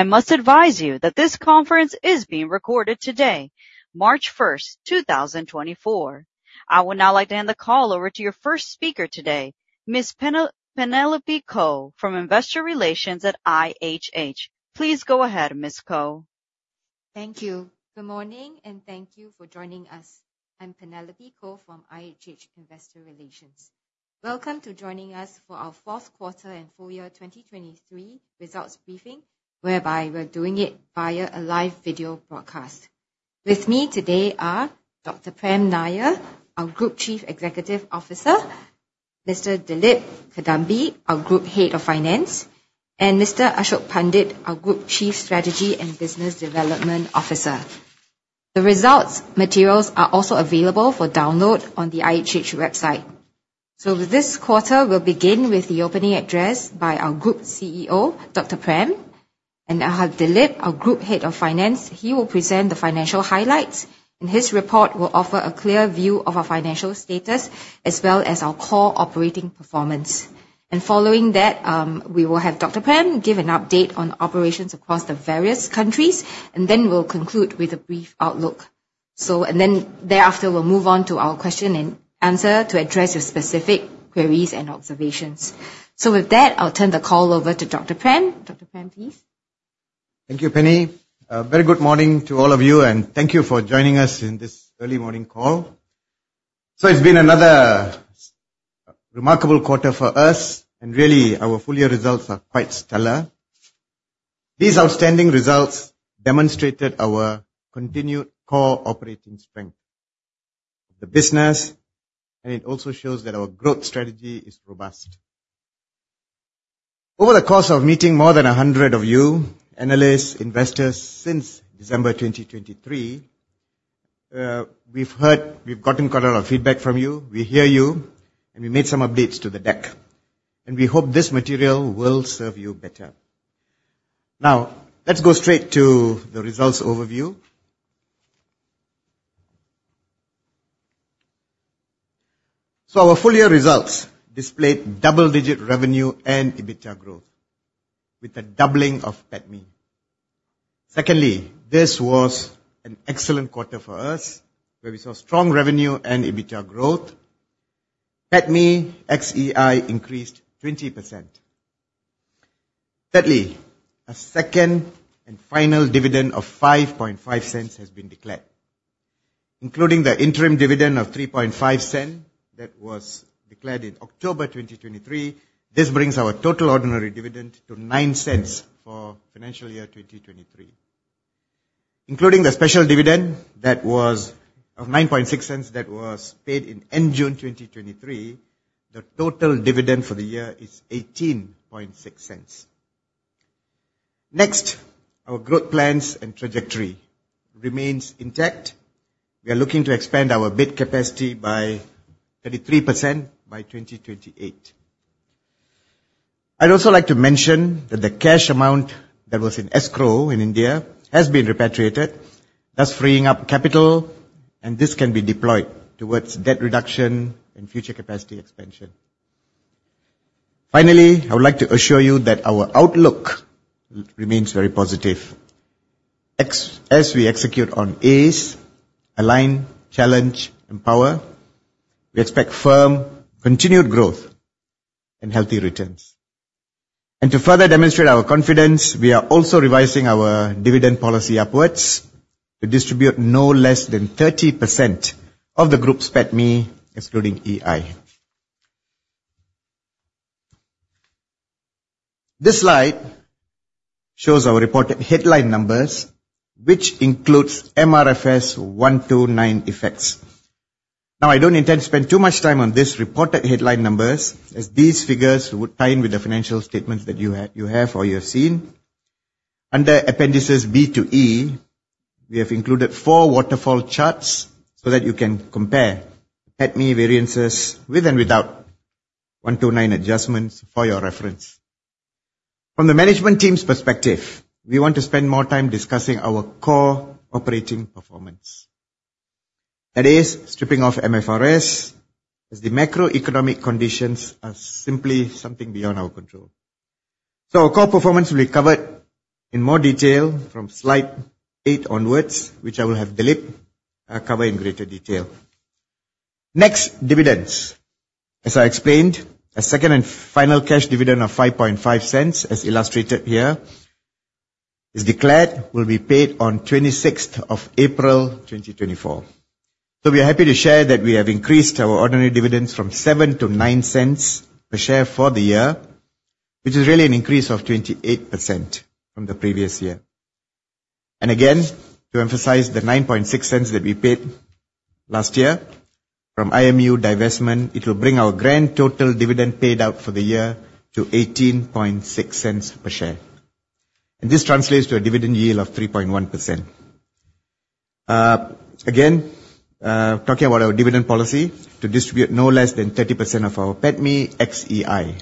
I must advise you that this conference is being recorded today, March 1, 2024. I would now like to hand the call over to your first speaker today, Ms. Penelope Koh from Investor Relations at IHH. Please go ahead, Ms. Koh. Thank you. Good morning, and thank you for joining us. I'm Penelope Koh from IHH Investor Relations. Welcome to joining us for our fourth quarter and full year 2023 results briefing, whereby we're doing it via a live video broadcast. With me today are Dr. Prem Nair, our Group Chief Executive Officer; Mr. Dilip Kadambi, our Group Head of Finance; and Mr. Ashok Pandit, our Group Chief Strategy and Business Development Officer. The results materials are also available for download on the IHH website. This quarter we'll begin with the opening address by our Group CEO, Dr. Prem. I'll have Dilip, our Group Head of Finance. He will present the financial highlights, and his report will offer a clear view of our financial status as well as our core operating performance. Following that, we will have Dr. Prem, give an update on operations across the various countries, and then we'll conclude with a brief outlook. Then thereafter we'll move on to our question and answer to address your specific queries and observations. With that, I'll turn the call over to Dr. Prem. Dr. Prem, please. Thank you, Penny. Very good morning to all of you, and thank you for joining us in this early morning call. So it's been another remarkable quarter for us, and really our full year results are quite stellar. These outstanding results demonstrated our continued core operating strength of the business, and it also shows that our growth strategy is robust. Over the course of meeting more than 100 of you, analysts, investors, since December 2023, we've gotten quite a lot of feedback from you. We hear you, and we made some updates to the deck, and we hope this material will serve you better. Now, let's go straight to the results overview. So our full year results displayed double-digit revenue and EBITDA growth with a doubling of PATMI. Secondly, this was an excellent quarter for us where we saw strong revenue and EBITDA growth. PATMI ex-EI increased 20%. Thirdly, a second and final dividend of 0.055 has been declared, including the interim dividend of 0.035 that was declared in October 2023. This brings our total ordinary dividend to 0.09 for financial year 2023. Including the special dividend of 0.096 that was paid in end June 2023, the total dividend for the year is 0.186. Next, our growth plans and trajectory remain intact. We are looking to expand our bed capacity by 33% by 2028. I'd also like to mention that the cash amount that was in escrow in India has been repatriated, thus freeing up capital, and this can be deployed towards debt reduction and future capacity expansion. Finally, I would like to assure you that our outlook remains very positive. As we execute on ACE, align, challenge, empower, we expect firm continued growth and healthy returns. To further demonstrate our confidence, we are also revising our dividend policy upwards to distribute no less than 30% of the group's PATMI, excluding EI. This slide shows our reported headline numbers, which includes MFRS 129 effects. Now, I don't intend to spend too much time on these reported headline numbers as these figures would tie in with the financial statements that you have or you have seen. Under appendices B to E, we have included four waterfall charts so that you can compare PATMI variances with and without 129 adjustments for your reference. From the management team's perspective, we want to spend more time discussing our core operating performance, that is, stripping off MFRS as the macroeconomic conditions are simply something beyond our control. So our core performance will be covered in more detail from slide 8 onwards, which I will have Dilip cover in greater detail. Next, dividends. As I explained, a second and final cash dividend of 0.055, as illustrated here, is declared, will be paid on 26 April 2024. So we are happy to share that we have increased our ordinary dividends from 0.07-0.09 per share for the year, which is really an increase of 28% from the previous year. And again, to emphasize the 0.096 that we paid last year from IMU divestment, it will bring our grand total dividend paid out for the year to 0.186 per share. And this translates to a dividend yield of 3.1%. Again, talking about our dividend policy, to distribute no less than 30% of our PATMI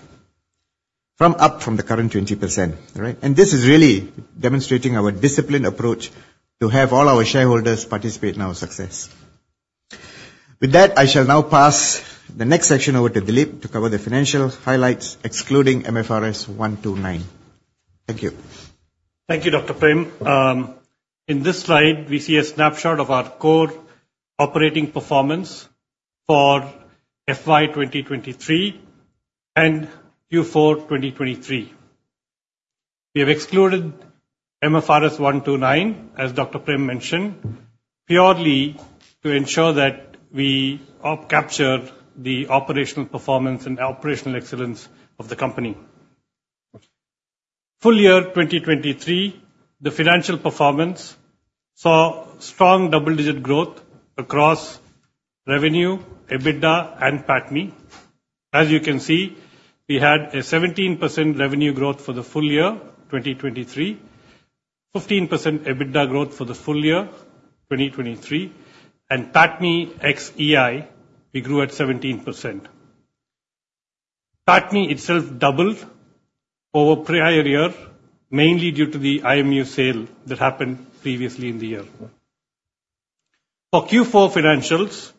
up from the current 20%. And this is really demonstrating our disciplined approach to have all our shareholders participate in our success. With that, I shall now pass the next section over to Dilip to cover the financial highlights, excluding MFRS 129. Thank you. Thank you, Dr. Prem. In this slide, we see a snapshot of our core operating performance for FY 2023 and Q4 2023. We have excluded MFRS 129, as Dr. Prem mentioned, purely to ensure that we capture the operational performance and operational excellence of the company. Full year 2023, the financial performance saw strong double-digit growth across revenue, EBITDA, and PATMI. As you can see, we had a 17% revenue growth for the full year 2023, 15% EBITDA growth for the full year 2023, and PATMI ex, we grew at 17%. PATMI itself doubled over prior year, mainly due to the IMU sale that happened previously in the year. For Q4 financials,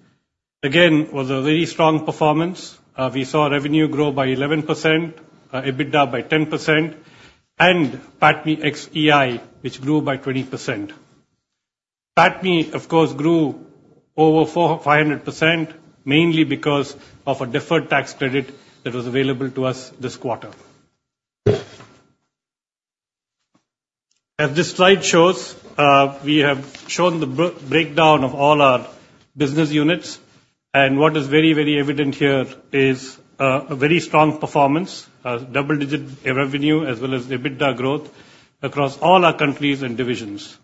again, was a very strong performance. We saw revenue grow by 11%, EBITDA by 10%, and PATMI ex, which grew by 20%. PATMI, of course, grew over 500%, mainly because of a deferred tax credit that was available to us this quarter. As this slide shows, we have shown the breakdown of all our business units, and what is very, very evident here is a very strong performance, double-digit revenue as well as EBITDA growth across all our countries and divisions.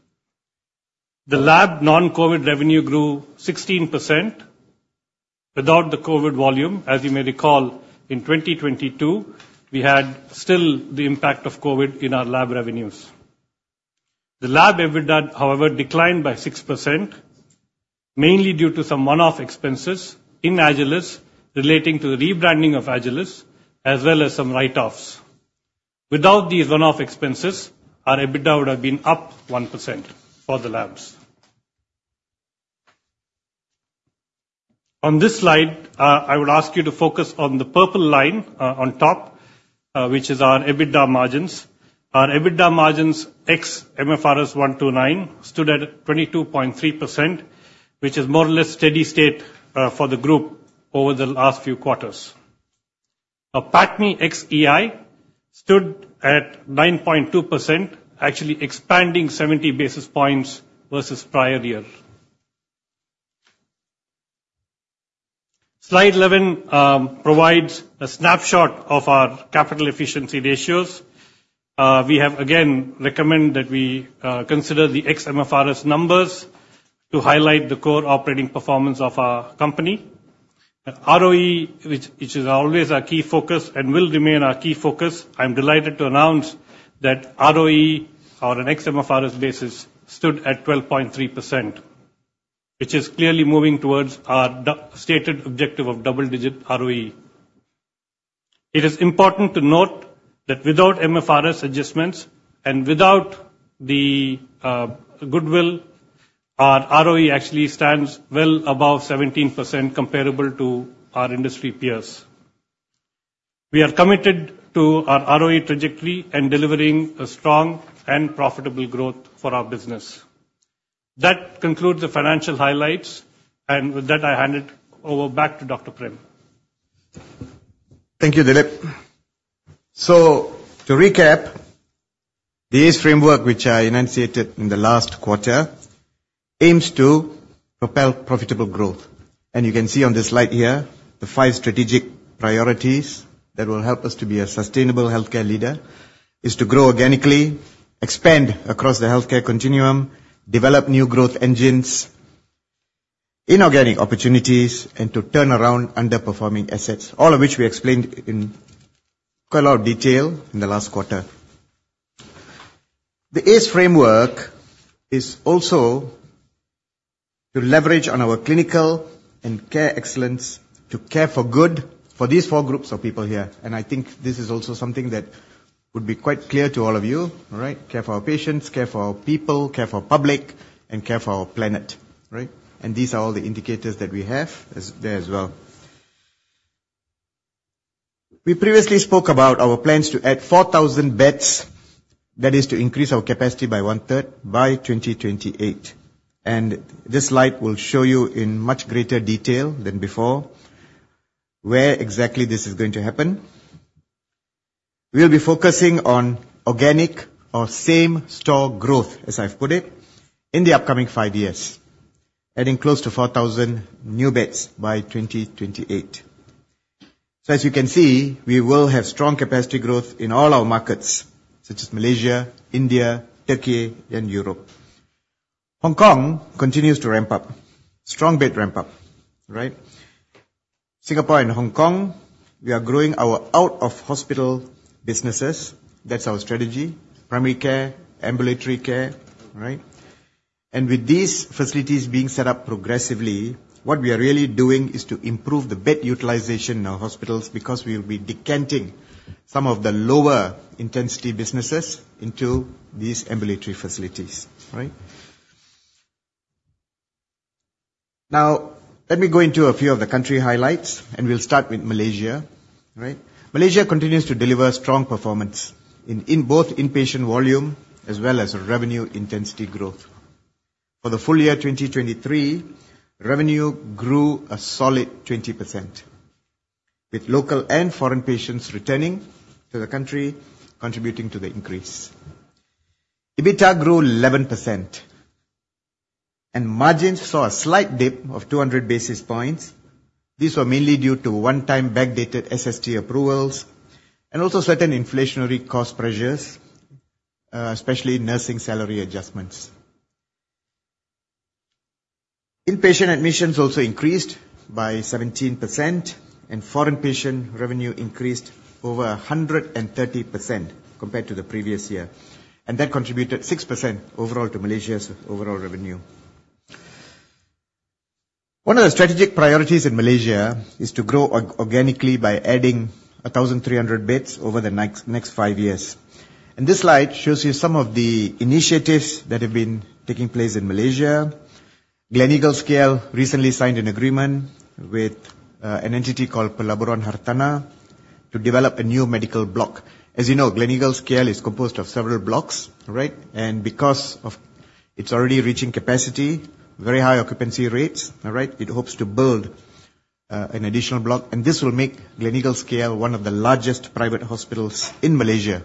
The lab non-COVID revenue grew 16% without the COVID volume. As you may recall, in 2022, we had still the impact of COVID in our lab revenues. The lab EBITDA, however, declined by 6%, mainly due to some one-off expenses in Agilus relating to the rebranding of Agilus as well as some write-offs. Without these one-off expenses, our EBITDA would have been up 1% for the labs. On this slide, I would ask you to focus on the purple line on top, which is our EBITDA margins. Our EBITDA margins ex-MFRS 129 stood at 22.3%, which is more or less steady state for the group over the last few quarters. Our PATMI ex-EI stood at 9.2%, actually expanding 70 basis points versus prior year. Slide 11 provides a snapshot of our capital efficiency ratios. We have, again, recommended that we consider the ex-MFRS numbers to highlight the core operating performance of our company. ROE, which is always our key focus and will remain our key focus, I'm delighted to announce that ROE on an ex-MFRS basis stood at 12.3%, which is clearly moving towards our stated objective of double-digit ROE. It is important to note that without MFRS adjustments and without the goodwill, our ROE actually stands well above 17% comparable to our industry peers. We are committed to our ROE trajectory and delivering a strong and profitable growth for our business. That concludes the financial highlights, and with that, I hand it over back to Dr. Prem. Thank you, Dilip. So to recap, the ACE framework, which I enunciated in the last quarter, aims to propel profitable growth. And you can see on this slide here, the five strategic priorities that will help us to be a sustainable healthcare leader is to grow organically, expand across the healthcare continuum, develop new growth engines in organic opportunities, and to turn around underperforming assets, all of which we explained in quite a lot of detail in the last quarter. The ACE framework is also to leverage on our clinical and care excellence to care for good for these four groups of people here. And I think this is also something that would be quite clear to all of you. Care for our patients, care for our people, care for our public, and care for our planet. And these are all the indicators that we have there as well. We previously spoke about our plans to add 4,000 beds, that is, to increase our capacity by one-third by 2028. This slide will show you in much greater detail than before where exactly this is going to happen. We'll be focusing on organic or same-store growth, as I've put it, in the upcoming five years, adding close to 4,000 new beds by 2028. As you can see, we will have strong capacity growth in all our markets such as Malaysia, India, Turkey, and Europe. Hong Kong continues to ramp up, strong bed ramp up. Singapore and Hong Kong, we are growing our out-of-hospital businesses. That's our strategy: primary care, ambulatory care. With these facilities being set up progressively, what we are really doing is to improve the bed utilization in our hospitals because we will be decanting some of the lower-intensity businesses into these ambulatory facilities. Now, let me go into a few of the country highlights, and we'll start with Malaysia. Malaysia continues to deliver strong performance in both inpatient volume as well as revenue intensity growth. For the full year 2023, revenue grew a solid 20%, with local and foreign patients returning to the country, contributing to the increase. EBITDA grew 11%, and margins saw a slight dip of 200 basis points. These were mainly due to one-time backdated SST approvals and also certain inflationary cost pressures, especially nursing salary adjustments. Inpatient admissions also increased by 17%, and foreign patient revenue increased over 130% compared to the previous year. That contributed 6% overall to Malaysia's overall revenue. One of the strategic priorities in Malaysia is to grow organically by adding 1,300 beds over the next five years. This slide shows you some of the initiatives that have been taking place in Malaysia. Gleneagles recently signed an agreement with an entity called Pelabuhan Hartanah to develop a new medical block. As you know, Gleneagles is composed of several blocks. Because it's already reaching capacity, very high occupancy rates, it hopes to build an additional block. This will make Gleneagles one of the largest private hospitals in Malaysia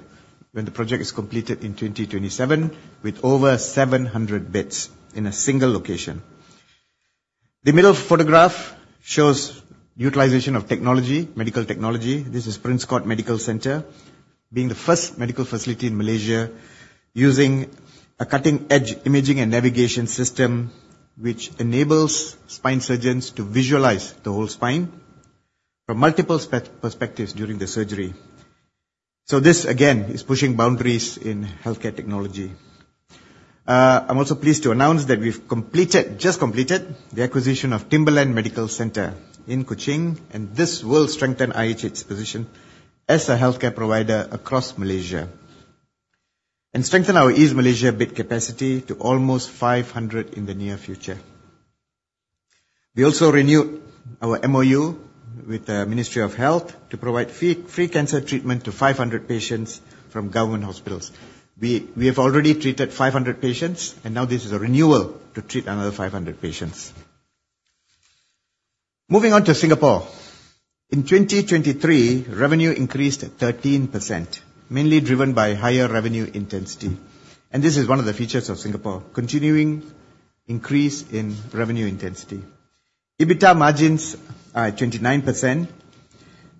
when the project is completed in 2027, with over 700 beds in a single location. The middle photograph shows utilization of technology, medical technology. This is Prince Court Medical Centre, being the first medical facility in Malaysia using a cutting-edge imaging and navigation system, which enables spine surgeons to visualize the whole spine from multiple perspectives during the surgery. So this, again, is pushing boundaries in healthcare technology. I'm also pleased to announce that we've completed, just completed, the acquisition of Timberland Medical Centre in Kuching, and this will strengthen IHH's position as a healthcare provider across Malaysia and strengthen our East Malaysia bed capacity to almost 500 in the near future. We also renewed our MOU with the Ministry of Health to provide free cancer treatment to 500 patients from government hospitals. We have already treated 500 patients, and now this is a renewal to treat another 500 patients. Moving on to Singapore. In 2023, revenue increased 13%, mainly driven by higher revenue intensity. And this is one of the features of Singapore: continuing increase in revenue intensity. EBITDA margins are at 29%.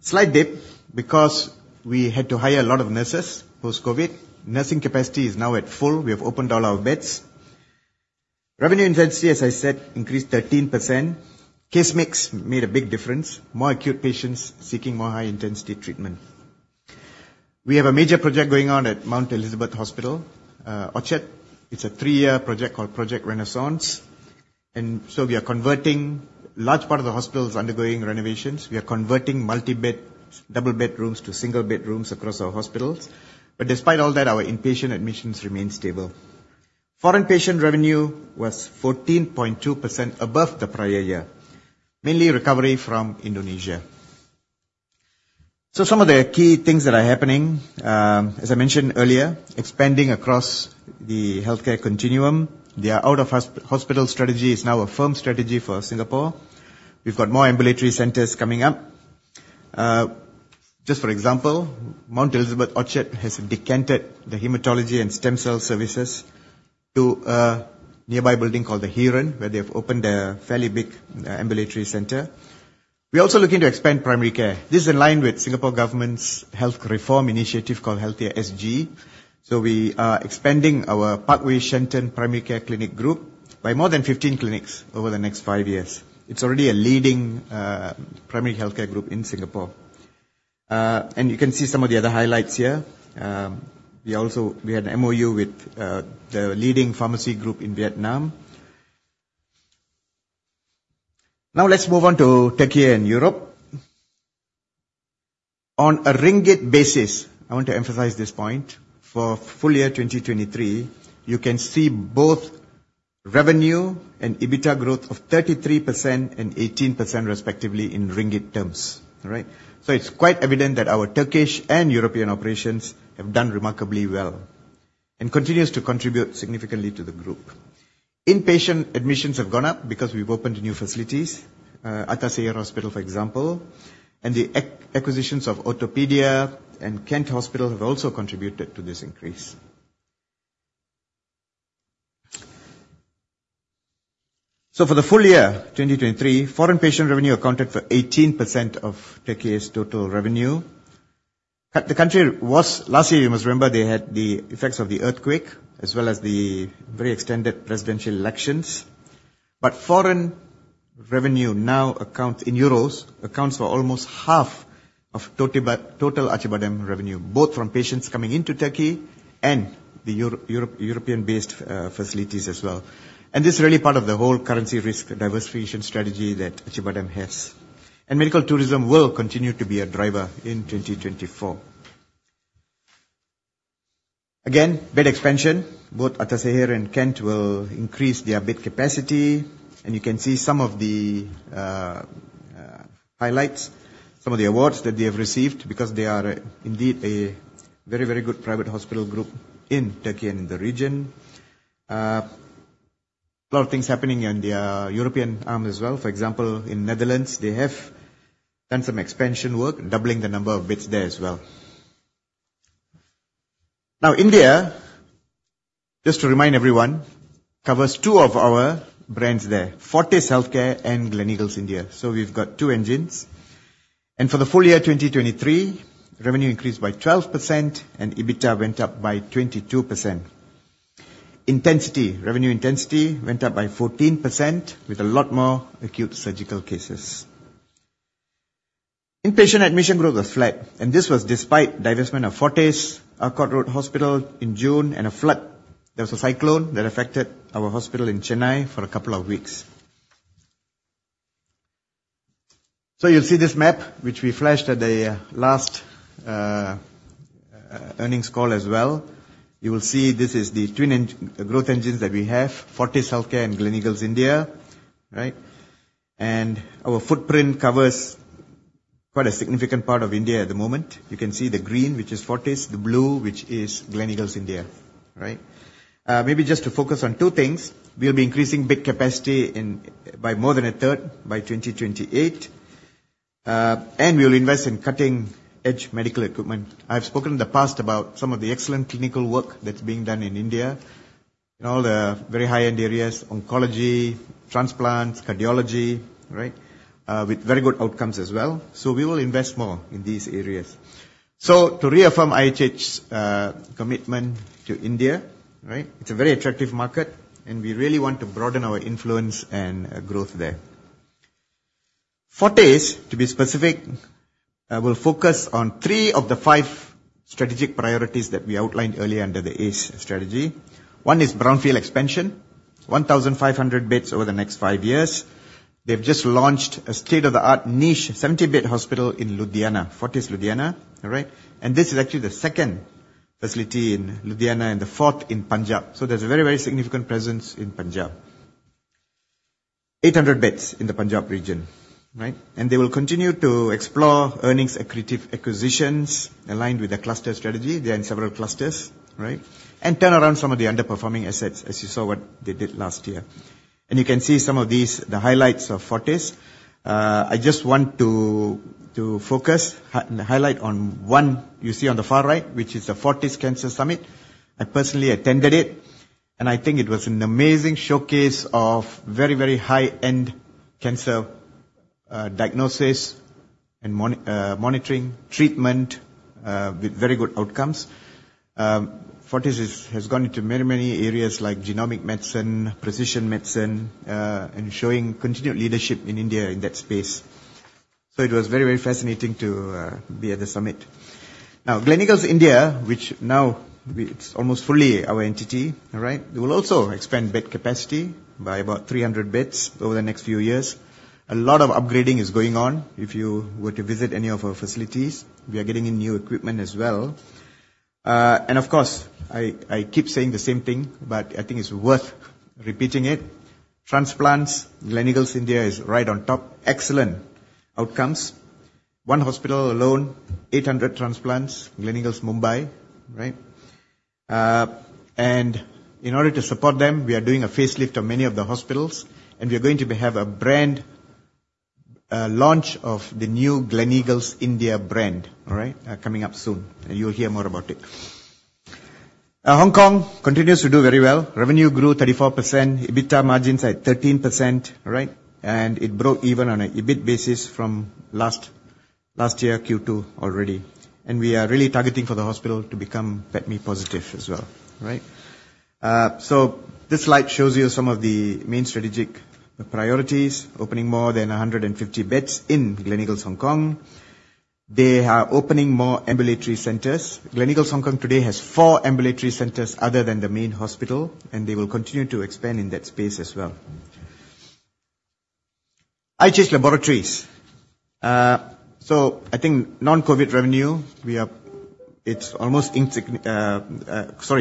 Slight dip because we had to hire a lot of nurses post-COVID. Nursing capacity is now at full. We have opened all our beds. Revenue intensity, as I said, increased 13%. Case mix made a big difference, more acute patients seeking more high-intensity treatment. We have a major project going on at Mount Elizabeth Hospital, Orchard. It's a three-year project called Project Renaissance. And so we are converting large part of the hospital is undergoing renovations. We are converting multi-bed, double-bed rooms to single-bed rooms across our hospitals. But despite all that, our inpatient admissions remain stable. Foreign patient revenue was 14.2% above the prior year, mainly recovery from Indonesia. So some of the key things that are happening, as I mentioned earlier, expanding across the healthcare continuum. The out-of-hospital strategy is now a firm strategy for Singapore. We've got more ambulatory centers coming up. Just for example, Mount Elizabeth Orchard has decanted the hematology and stem cell services to a nearby building called The Heeren, where they have opened a fairly big ambulatory center. We're also looking to expand primary care. This is in line with Singapore government's health reform initiative called Healthier SG. So we are expanding our Parkway Shenton Primary Care Clinic Group by more than 15 clinics over the next five years. It's already a leading primary healthcare group in Singapore. And you can see some of the other highlights here. We had an MOU with the leading pharmacy group in Vietnam. Now, let's move on to Turkey and Europe. On a ringgit basis, I want to emphasize this point. For full year 2023, you can see both revenue and EBITDA growth of 33% and 18% respectively in ringgit terms. So it's quite evident that our Turkish and European operations have done remarkably well and continue to contribute significantly to the group. Inpatient admissions have gone up because we've opened new facilities, Ataşehir Hospital, for example. The acquisitions of Ortopedia and Kent Hospital have also contributed to this increase. So for the full year 2023, foreign patient revenue accounted for 18% of Turkey's total revenue. The country was last year, you must remember, they had the effects of the earthquake as well as the very extended presidential elections. But foreign revenue now accounts in euros for almost half of total Acibadem revenue, both from patients coming into Turkey and the European-based facilities as well. And this is really part of the whole currency risk diversification strategy that Acibadem has. And medical tourism will continue to be a driver in 2024. Again, bed expansion, both Ataşehir and Kent will increase their bed capacity. You can see some of the highlights, some of the awards that they have received because they are indeed a very, very good private hospital group in Turkey and in the region. A lot of things happening in the European arm as well. For example, in the Netherlands, they have done some expansion work, doubling the number of beds there as well. Now, India, just to remind everyone, covers two of our brands there, Fortis Healthcare and Gleneagles India. So we've got two engines. For the full year 2023, revenue increased by 12% and EBITDA went up by 22%. Revenue intensity went up by 14% with a lot more acute surgical cases. Inpatient admission growth was flat. This was despite divestment of Fortis, our Arcot Road Hospital in June, and a flood. There was a cyclone that affected our hospital in Chennai for a couple of weeks. So you'll see this map, which we flashed at the last earnings call as well. You will see this is the twin growth engines that we have, Fortis Healthcare and Gleneagles India. And our footprint covers quite a significant part of India at the moment. You can see the green, which is Fortis, the blue, which is Gleneagles India. Maybe just to focus on two things, we'll be increasing bed capacity by more than a third by 2028. And we'll invest in cutting-edge medical equipment. I've spoken in the past about some of the excellent clinical work that's being done in India in all the very high-end areas, oncology, transplants, cardiology, with very good outcomes as well. So to reaffirm IHH's commitment to India, it's a very attractive market, and we really want to broaden our influence and growth there. Fortis, to be specific, will focus on three of the five strategic priorities that we outlined earlier under the ACE strategy. One is brownfield expansion, 1,500 beds over the next five years. They've just launched a state-of-the-art niche 70-bed hospital in Ludhiana, Fortis Ludhiana. And this is actually the second facility in Ludhiana and the fourth in Punjab. So there's a very, very significant presence in Punjab, 800 beds in the Punjab region. And they will continue to explore earnings acquisitions aligned with their cluster strategy. They're in several clusters and turn around some of the underperforming assets, as you saw what they did last year. And you can see some of these, the highlights of Fortis. I just want to focus and highlight on one you see on the far right, which is the Fortis Cancer Summit. I personally attended it, and I think it was an amazing showcase of very, very high-end cancer diagnosis and monitoring, treatment with very good outcomes. Fortis has gone into many, many areas like genomic medicine, precision medicine, and showing continued leadership in India in that space. So it was very, very fascinating to be at the summit. Now, Gleneagles India, which now it's almost fully our entity, will also expand bed capacity by about 300 beds over the next few years. A lot of upgrading is going on. If you were to visit any of our facilities, we are getting in new equipment as well. And of course, I keep saying the same thing, but I think it's worth repeating it. Transplants, Gleneagles India is right on top, excellent outcomes. One hospital alone, 800 transplants, Gleneagles Mumbai. In order to support them, we are doing a facelift of many of the hospitals, and we're going to have a brand launch of the new Gleneagles India brand coming up soon. You'll hear more about it. Hong Kong continues to do very well. Revenue grew 34%, EBITDA margins at 13%. It broke even on an EBIT basis from last year, Q2 already. We are really targeting for the hospital to become PATMI positive as well. This slide shows you some of the main strategic priorities, opening more than 150 beds in Gleneagles Hong Kong. They are opening more ambulatory centers. Gleneagles Hong Kong today has four ambulatory centers other than the main hospital, and they will continue to expand in that space as well. IHH Laboratories. So I think non-COVID revenue, we are—it's almost—sorry,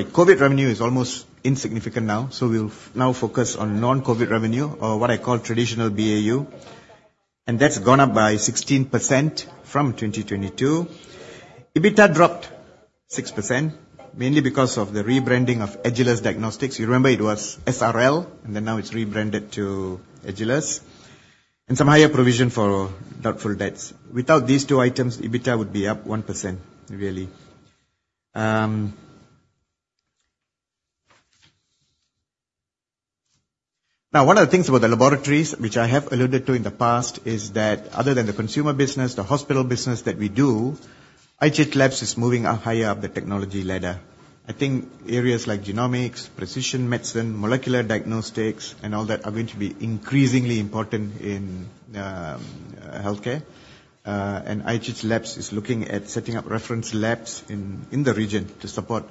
COVID revenue is almost insignificant now. So we'll now focus on non-COVID revenue or what I call traditional BAU. And that's gone up by 16% from 2022. EBITDA dropped 6% mainly because of the rebranding of Agilus Diagnostics. You remember it was SRL, and then now it's rebranded to Agilus and some higher provision for doubtful debts. Without these two items, EBITDA would be up 1%, really. Now, one of the things about the laboratories, which I have alluded to in the past, is that other than the consumer business, the hospital business that we do, IHH Labs is moving higher up the technology ladder. I think areas like genomics, precision medicine, molecular diagnostics, and all that are going to be increasingly important in healthcare. IHH Labs is looking at setting up reference labs in the region to support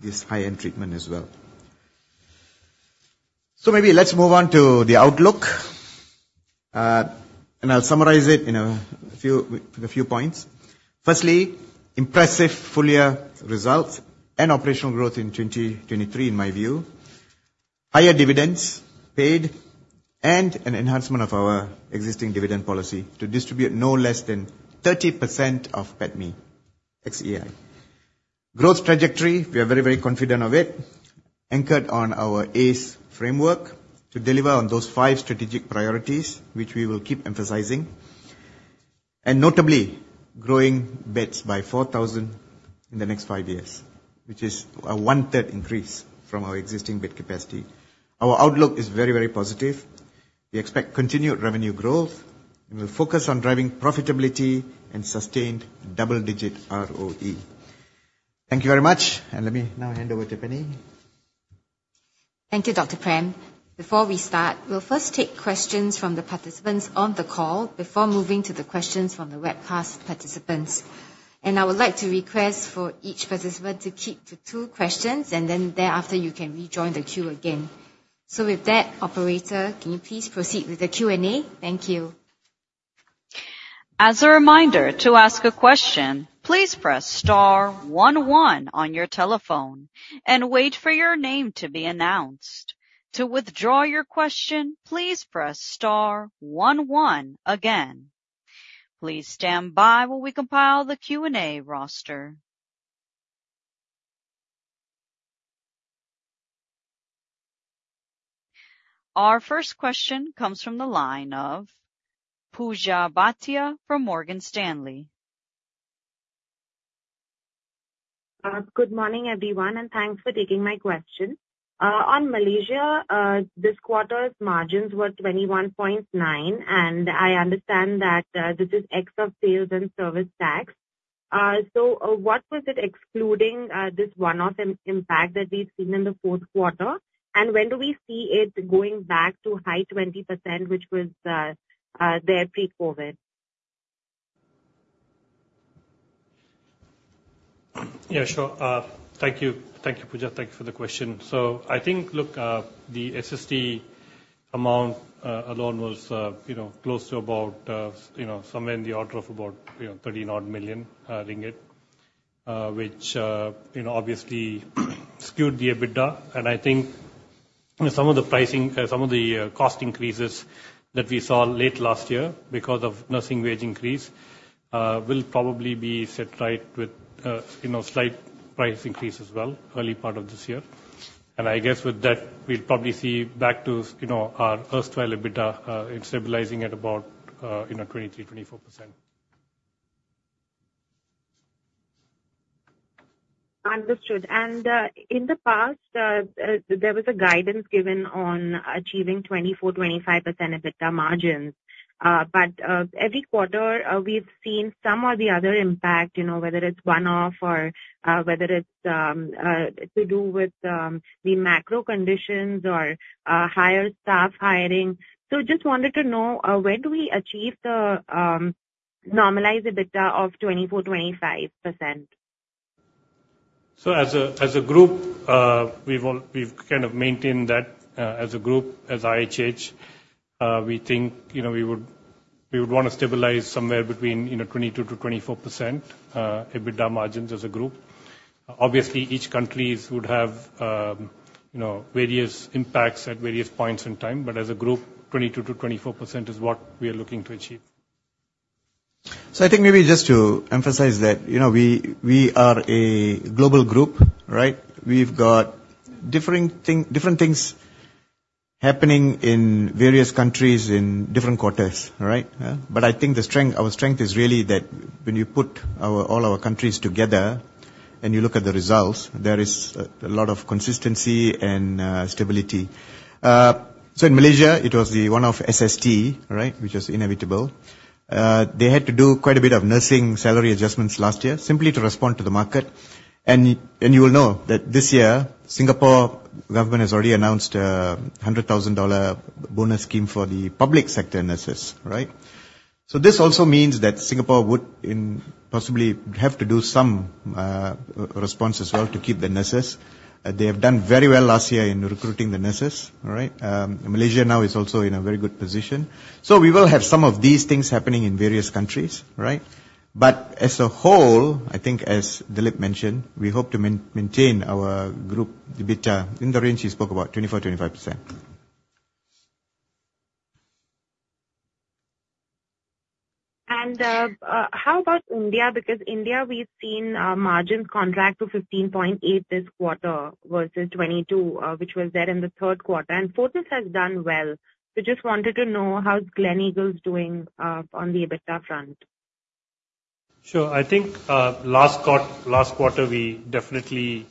this high-end treatment as well. So maybe let's move on to the outlook. I'll summarize it in a few points. Firstly, impressive full-year results and operational growth in 2023, in my view, higher dividends paid, and an enhancement of our existing dividend policy to distribute no less than 30% of PATMI. Growth trajectory, we are very, very confident of it, anchored on our ACE framework to deliver on those five strategic priorities, which we will keep emphasizing, and notably growing beds by 4,000 in the next five years, which is a one-third increase from our existing bed capacity. Our outlook is very, very positive. We expect continued revenue growth and will focus on driving profitability and sustained double-digit ROE. Thank you very much. Let me now hand over to Penny. Thank you, Dr. Prem. Before we start, we'll first take questions from the participants on the call before moving to the questions from the webcast participants. I would like to request for each participant to keep to two questions, and then thereafter you can rejoin the queue again. With that, operator, can you please proceed with the Q&A? Thank you. As a reminder, to ask a question, please press star one one one your telephone and wait for your name to be announced. To withdraw your question, please press star one one again. Please stand by while we compile the Q&A roster. Our first question comes from the line of Pooja Bhatia from Morgan Stanley. Good morning, everyone, and thanks for taking my question. On Malaysia, this quarter's margins were 21.9%, and I understand that this is ex of sales and service tax. So what was it excluding this one-off impact that we've seen in the fourth quarter? And when do we see it going back to high 20%, which was there pre-COVID? Yeah, sure. Thank you, Pooja. Thank you for the question. So I think, look, the SST amount alone was close to about somewhere in the order of about 13-odd million ringgit, which obviously skewed the EBITDA. And I think some of the cost increases that we saw late last year because of nursing wage increase will probably be set right with slight price increase as well early part of this year. And I guess with that, we'll probably see back to our erstwhile EBITDA in stabilising at about 23%-24%. Understood. And in the past, there was a guidance given on achieving 24%-25% EBITDA margins. Every quarter, we've seen some or the other impact, whether it's one-off or whether it's to do with the macro conditions or higher staff hiring. So I just wanted to know, when do we achieve the normalized EBITDA of 24%-25%? So as a group, we've kind of maintained that as a group, as IHH. We think we would want to stabilize somewhere between 22%-24% EBITDA margins as a group. Obviously, each country would have various impacts at various points in time, but as a group, 22%-24% is what we are looking to achieve. So I think maybe just to emphasize that we are a global group. We've got different things happening in various countries in different quarters. But I think our strength is really that when you put all our countries together and you look at the results, there is a lot of consistency and stability. So in Malaysia, it was the one-off SST, which is inevitable. They had to do quite a bit of nursing salary adjustments last year simply to respond to the market. And you will know that this year, Singapore government has already announced a 100,000 dollar bonus scheme for the public sector nurses. So this also means that Singapore would possibly have to do some response as well to keep the nurses. They have done very well last year in recruiting the nurses. Malaysia now is also in a very good position. So we will have some of these things happening in various countries. But as a whole, I think, as Dilip mentioned, we hope to maintain our group EBITDA in the range he spoke about, 24%-25%. And how about India? Because India, we've seen margins contract to 15.8% this quarter versus 22%, which was there in the third quarter. And Fortis has done well. So just wanted to know, how's Gleneagles doing on the EBITDA front? Sure. I think last quarter, we definitely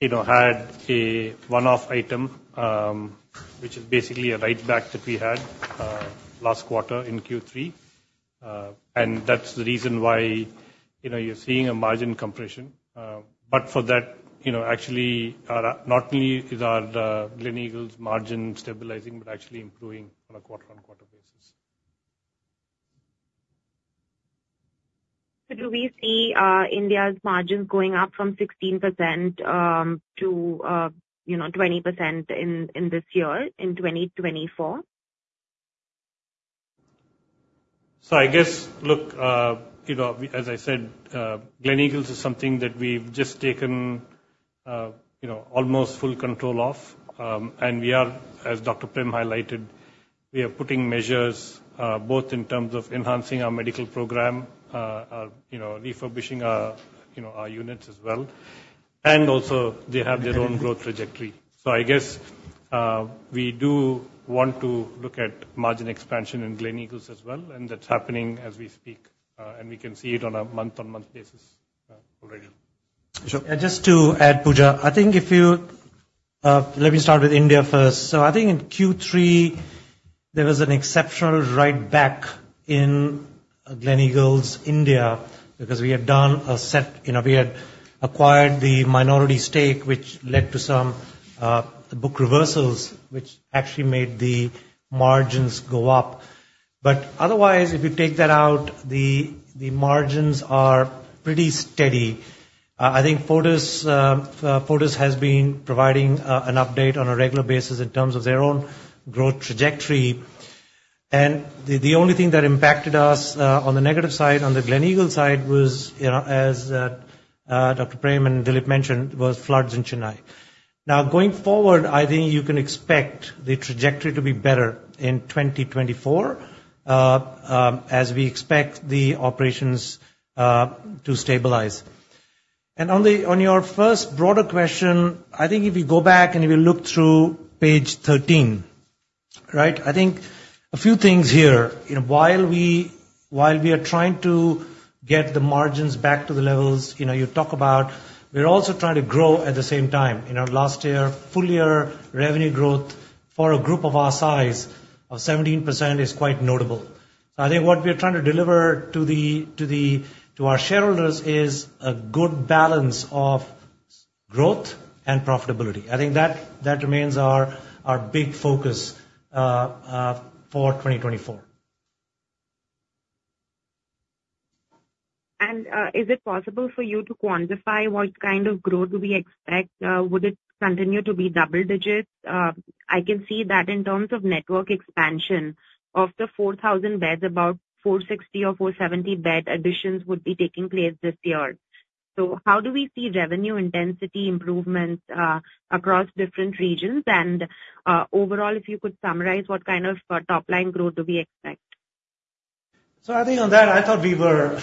had a one-off item, which is basically a write-back that we had last quarter in Q3. And that's the reason why you're seeing a margin compression. But for that, actually, not only is our Gleneagles margin stabilizing, but actually improving on a quarter-on-quarter basis. So do we see India's margins going up from 16% to 20% in this year, in 2024? So I guess, look, as I said, Gleneagles is something that we've just taken almost full control of. And we are, as Dr. Prem highlighted, we are putting measures both in terms of enhancing our medical program, refurbishing our units as well, and also they have their own growth trajectory. So I guess we do want to look at margin expansion in Gleneagles as well, and that's happening as we speak. And we can see it on a month-on-month basis already. Sure. Just to add, Pooja, I think if you let me start with India first. So I think in Q3, there was an exceptional write-back in Gleneagles India because we had done a set we had acquired the minority stake, which led to some book reversals, which actually made the margins go up. But otherwise, if you take that out, the margins are pretty steady. I think Fortis has been providing an update on a regular basis in terms of their own growth trajectory. And the only thing that impacted us on the negative side, on the Gleneagles side, was, as Dr. Prem and Dilip mentioned, was floods in Chennai. Now, going forward, I think you can expect the trajectory to be better in 2024 as we expect the operations to stabilize. And on your first broader question, I think if you go back and if you look through page 13, I think a few things here. While we are trying to get the margins back to the levels you talk about, we're also trying to grow at the same time. Last year, full-year revenue growth for a group of our size of 17% is quite notable. So I think what we are trying to deliver to our shareholders is a good balance of growth and profitability. I think that remains our big focus for 2024. And is it possible for you to quantify what kind of growth we expect? Would it continue to be double digits? I can see that in terms of network expansion of the 4,000 beds, about 460 or 470 bed additions would be taking place this year. So how do we see revenue intensity improvements across different regions? And overall, if you could summarise what kind of top-line growth do we expect? So I think on that, I thought we were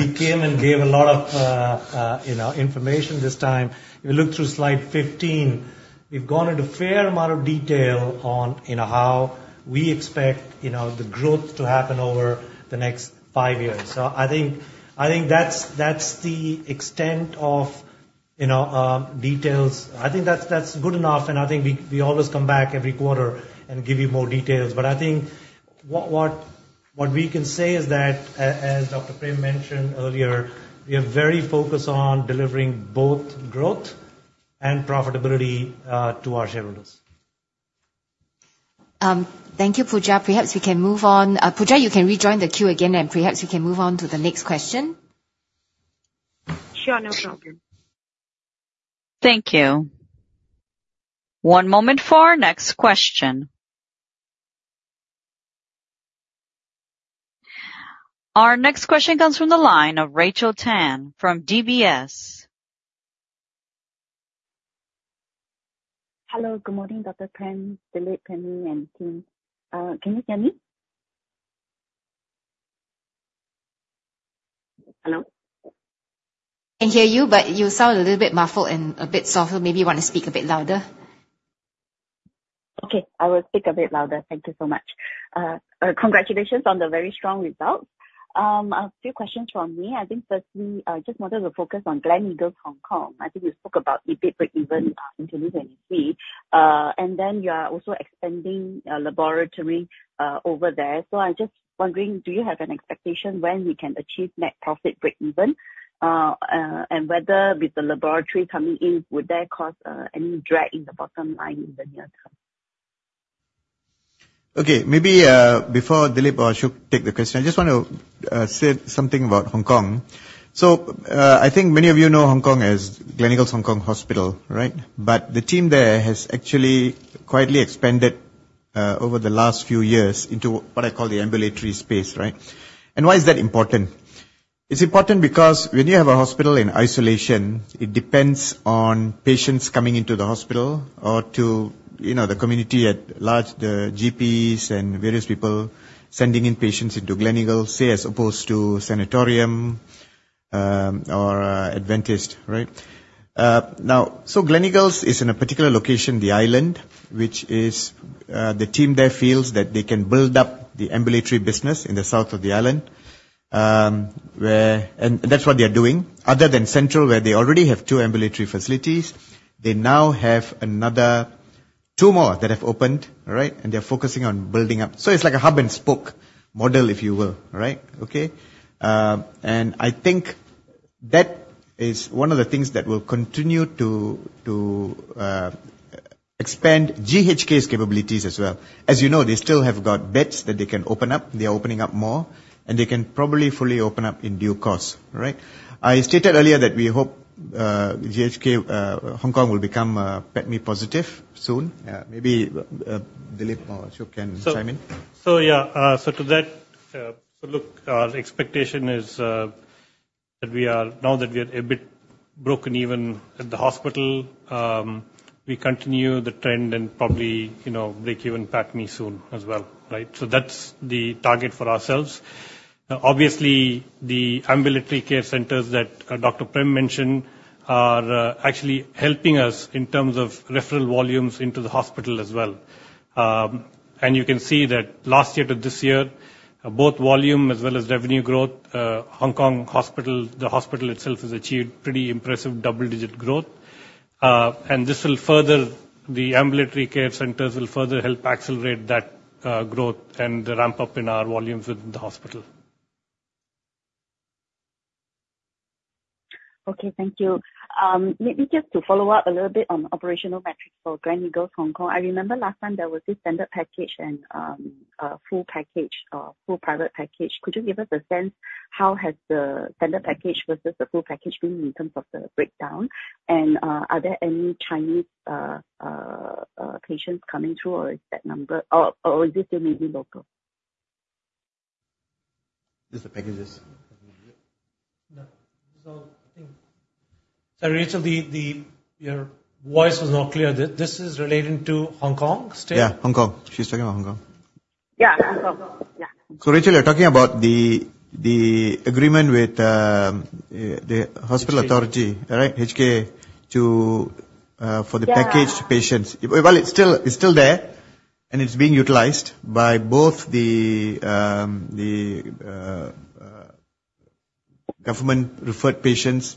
we came and gave a lot of information this time. If you look through slide 15, we've gone into a fair amount of detail on how we expect the growth to happen over the next five years. So I think that's the extent of details. I think that's good enough. And I think we always come back every quarter and give you more details. But I think what we can say is that, as Dr. Prem mentioned earlier, we are very focused on delivering both growth and profitability to our shareholders. Thank you, Pooja. Perhaps we can move on, Pooja. You can rejoin the queue again, and perhaps we can move on to the next question. Sure, no problem. Thank you. One moment for our next question. Our next question comes from the line of Rachel Tan from DBS. Hello. Good morning, Dr. Prem, Dilip, Penny, and team. Can you hear me? Hello? I can hear you, but you sound a little bit muffled and a bit softer. Maybe you want to speak a bit louder. Okay. I will speak a bit louder. Thank you so much. Congratulations on the very strong results. A few questions from me. I think firstly, I just wanted to focus on Gleneagles Hong Kong. I think you spoke about EBIT break-even in 2023. And then you are also expanding laboratory over there. So I'm just wondering, do you have an expectation when we can achieve net profit break-even and whether, with the laboratory coming in, would that cause any drag in the bottom line in the near term? Okay. Maybe before Dilip or Ashok take the question, I just want to say something about Hong Kong. So I think many of you know Hong Kong as Gleneagles Hong Kong Hospital, right? But the team there has actually quietly expanded over the last few years into what I call the ambulatory space. And why is that important? It's important because when you have a hospital in isolation, it depends on patients coming into the hospital or to the community at large, the GPs and various people sending in patients into Gleneagles, say, as opposed to sanatorium or Adventist, right? So Gleneagles is, in a particular location, the island, which the team there feels that they can build up the ambulatory business in the south of the island. And that's what they are doing. Other than central, where they already have two ambulatory facilities, they now have two more that have opened. And they're focusing on building up so it's like a hub-and-spoke model, if you will. And I think that is one of the things that will continue to expand GHK's capabilities as well. As you know, they still have got beds that they can open up. They are opening up more. They can probably fully open up in due course. I stated earlier that we hope GHK Hong Kong will become PATMI positive soon. Maybe Dilip or Ashok can chime in. So yeah. So to that, look, our expectation is that now that we are a bit breaking even at the hospital, we continue the trend and probably break-even PATMI soon as well. So that's the target for ourselves. Obviously, the ambulatory care centers that Dr. Prem mentioned are actually helping us in terms of referral volumes into the hospital as well. You can see that last year to this year, both volume as well as revenue growth. Hong Kong Hospital, the hospital itself, has achieved pretty impressive double-digit growth. The ambulatory care centers will further help accelerate that growth and ramp up in our volumes within the hospital. Okay. Thank you. Maybe just to follow up a little bit on operational metrics for Gleneagles Hong Kong, I remember last time there was this standard package and full package or full private package. Could you give us a sense how has the standard package versus the full package been in terms of the breakdown? And are there any Chinese patients coming through, or is that number or is it still maybe local? Just the packages? No. So Rachel, your voice was not clear. This is relating to Hong Kong still? Yeah. Hong Kong. She's talking about Hong Kong. Yeah. Hong Kong. Yeah. So Rachel, you're talking about the agreement with the Hospital Authority, HK, for the package to patients. Well, it's still there, and it's being utilized by both the government-referred patients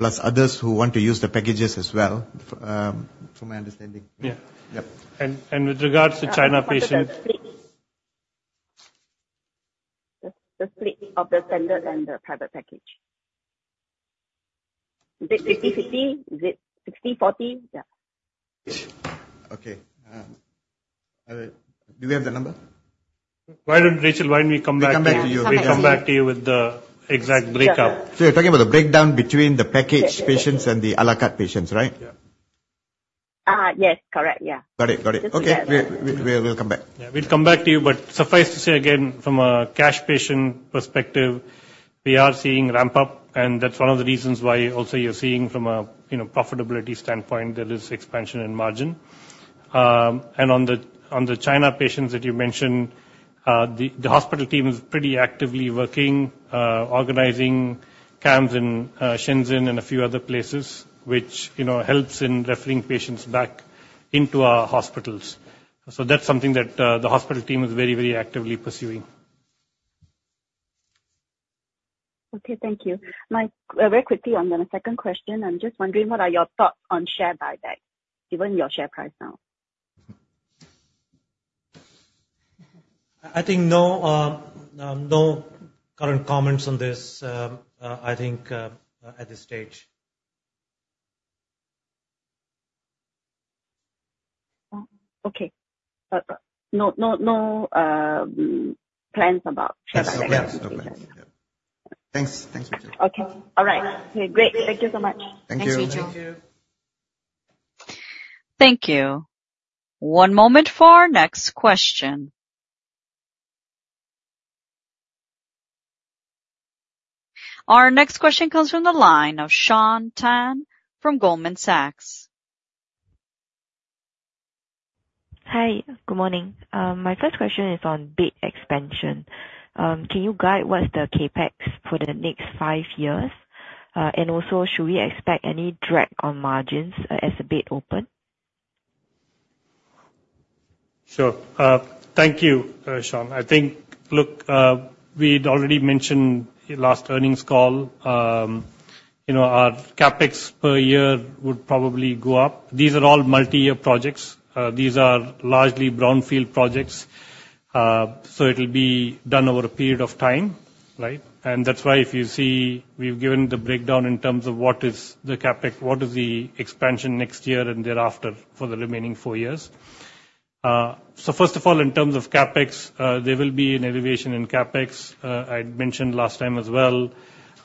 plus others who want to use the packages as well, from my understanding. Yeah. With regards to China patients? The split of the standard and the private package. Is it 50/50? Is it 60/40? Yeah. Okay. Do we have that number? Rachel, why don't we come back to you? We can come back to you with the exact breakup. So you're talking about the breakdown between the packaged patients and the à la carte patients, right? Yeah. Yes. Correct. Yeah. Got it. Got it. Okay. We'll come back. Yeah. We'll come back to you. But suffice to say, again, from a cash patient perspective, we are seeing ramp-up. And that's one of the reasons why also you're seeing, from a profitability standpoint, there is expansion in margin. And on the China patients that you mentioned, the hospital team is pretty actively working, organizing camps in Shenzhen and a few other places, which helps in referring patients back into our hospitals. So that's something that the hospital team is very, very actively pursuing. Okay. Thank you. Very quickly, I'm going to second question. I'm just wondering, what are your thoughts on share buyback, given your share price now? I think no current comments on this, I think, at this stage. Okay. No plans about share buyback? Yes. Okay. Thanks. Thanks, Rachel. Okay. All right. Great. Thank you so much. Thank you. Thanks, Rachel. Thank you. Thank you. One moment for our next question. Our next question comes from the line of Shaun Tan from Goldman Sachs. Hi. Good morning. My first question is on bed expansion. Can you guide what's the CapEx for the next five years? And also, should we expect any drag on margins as beds open? Sure. Thank you, Sean. I think, look, we'd already mentioned last earnings call, our CapEx per year would probably go up. These are all multi-year projects. These are largely brownfield projects. So it'll be done over a period of time. And that's why if you see we've given the breakdown in terms of what is the CapEx, what is the expansion next year and thereafter for the remaining four years. So first of all, in terms of CapEx, there will be an elevation in CapEx. I mentioned last time as well,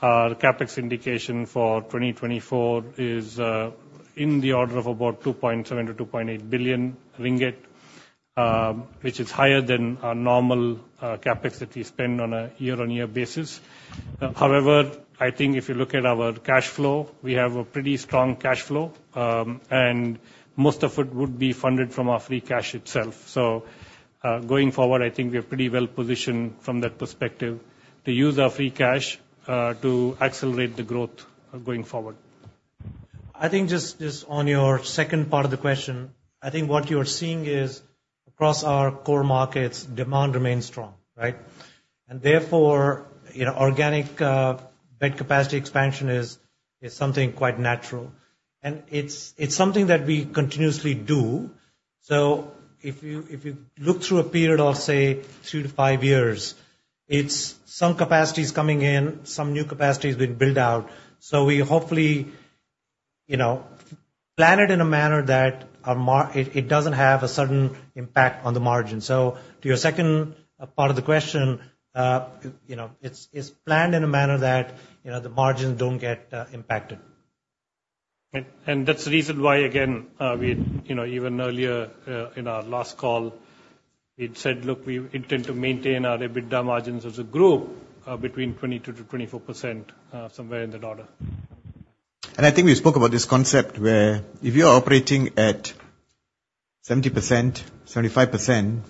our CapEx indication for 2024 is in the order of about 2.7 billion-2.8 billion ringgit, which is higher than our normal CapEx that we spend on a year-on-year basis. However, I think if you look at our cash flow, we have a pretty strong cash flow. And most of it would be funded from our free cash itself. So going forward, I think we are pretty well-positioned from that perspective to use our free cash to accelerate the growth going forward. I think just on your second part of the question, I think what you are seeing is across our core markets, demand remains strong. And therefore, organic bed capacity expansion is something quite natural. And it's something that we continuously do. So if you look through a period of, say, three-five years, some capacity's coming in, some new capacity's been built out. So we hopefully plan it in a manner that it doesn't have a sudden impact on the margin. So to your second part of the question, it's planned in a manner that the margins don't get impacted. That's the reason why, again, even earlier in our last call, we'd said, "Look, we intend to maintain our EBITDA margins as a group between 22%-24%, somewhere in that order." I think we spoke about this concept where if you are operating at 70%, 75%,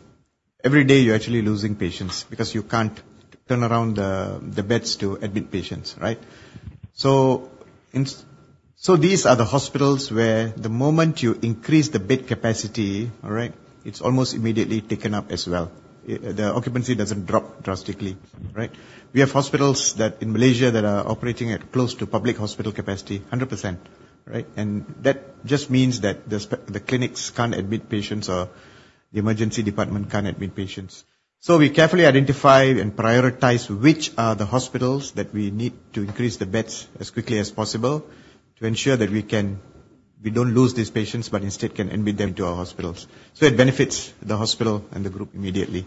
every day you're actually losing patients because you can't turn around the beds to admit patients. So these are the hospitals where the moment you increase the bed capacity, it's almost immediately taken up as well. The occupancy doesn't drop drastically. We have hospitals in Malaysia that are operating at close to public hospital capacity, 100%. And that just means that the clinics can't admit patients or the emergency department can't admit patients. So we carefully identify and prioritize which are the hospitals that we need to increase the beds as quickly as possible to ensure that we don't lose these patients but instead can admit them into our hospitals. So it benefits the hospital and the group immediately.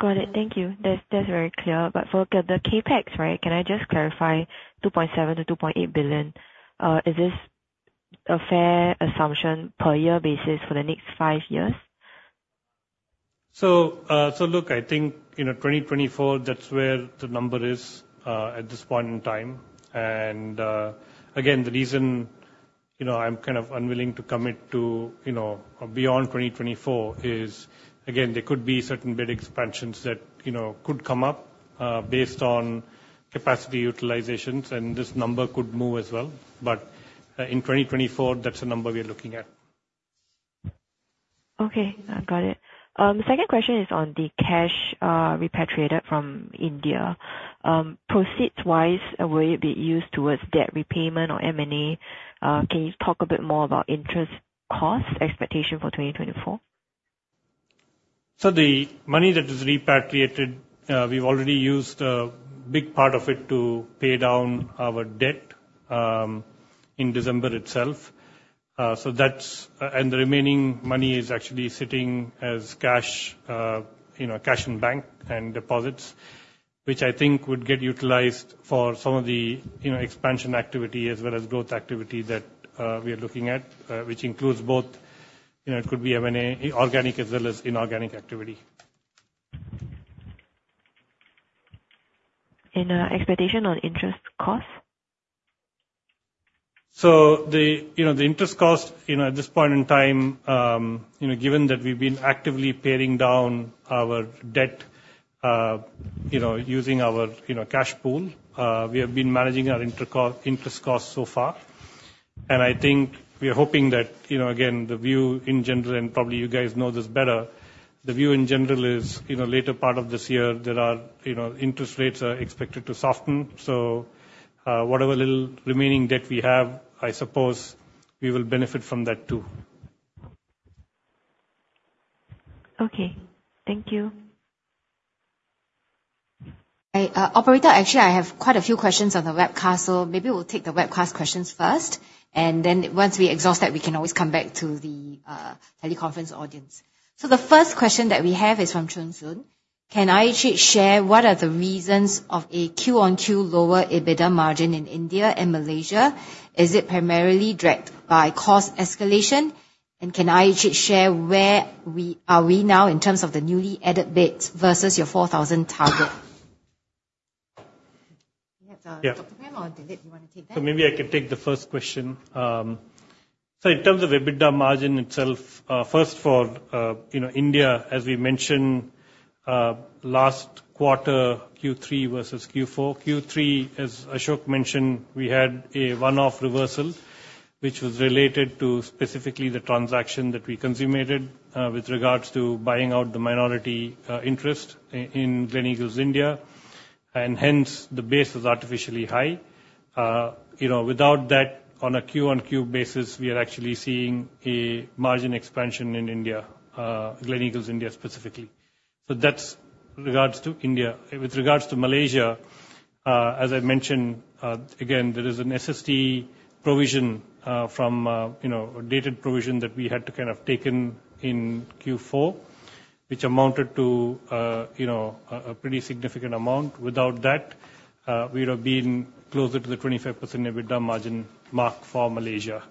Got it. Thank you. That's very clear. But for the CapEx, can I just clarify? 2.7 billion-2.8 billion, is this a fair assumption per-year basis for the next five years? So look, I think 2024, that's where the number is at this point in time. And again, the reason I'm kind of unwilling to commit to beyond 2024 is, again, there could be certain bed expansions that could come up based on capacity utilizations. And this number could move as well. But in 2024, that's the number we are looking at. Okay. Got it. Second question is on the cash repatriated from India. Proceeds-wise, will it be used towards debt repayment or M&A? Can you talk a bit more about interest cost expectation for 2024? So the money that is repatriated, we've already used a big part of it to pay down our debt in December itself. And the remaining money is actually sitting as cash in bank and deposits, which I think would get utilised for some of the expansion activity as well as growth activity that we are looking at, which includes both it could be organic as well as inorganic activity. And expectation on interest cost? So the interest cost, at this point in time, given that we've been actively paring down our debt using our cash pool, we have been managing our interest costs so far. I think we are hoping that again, the view in general and probably you guys know this better, the view in general is later part of this year, interest rates are expected to soften. So whatever little remaining debt we have, I suppose we will benefit from that too. Okay. Thank you. Operator, actually, I have quite a few questions on the webcast. So maybe we'll take the webcast questions first. And then once we exhaust that, we can always come back to the teleconference audience. So the first question that we have is from Chun Soon. Can IHH share what are the reasons of a quarter-on-quarter lower EBITDA margin in India and Malaysia? Is it primarily dragged by cost escalation? And can IHH share where are we now in terms of the newly added beds versus your 4,000 target? Dr. Prem or Dilip, do you want to take that? So maybe I can take the first question. So in terms of EBITDA margin itself, first for India, as we mentioned, last quarter, Q3 versus Q4. Q3, as Ashok mentioned, we had a one-off reversal, which was related to specifically the transaction that we consummated with regards to buying out the minority interest in Gleneagles India. And hence, the base was artificially high. Without that, on a quarter-on-quarter basis, we are actually seeing a margin expansion in India, Gleneagles India specifically. So that's with regards to India. With regards to Malaysia, as I mentioned, again, there is an SST provision from a backdated provision that we had to kind of take in Q4, which amounted to a pretty significant amount. Without that, we would have been closer to the 25% EBITDA margin mark for Malaysia.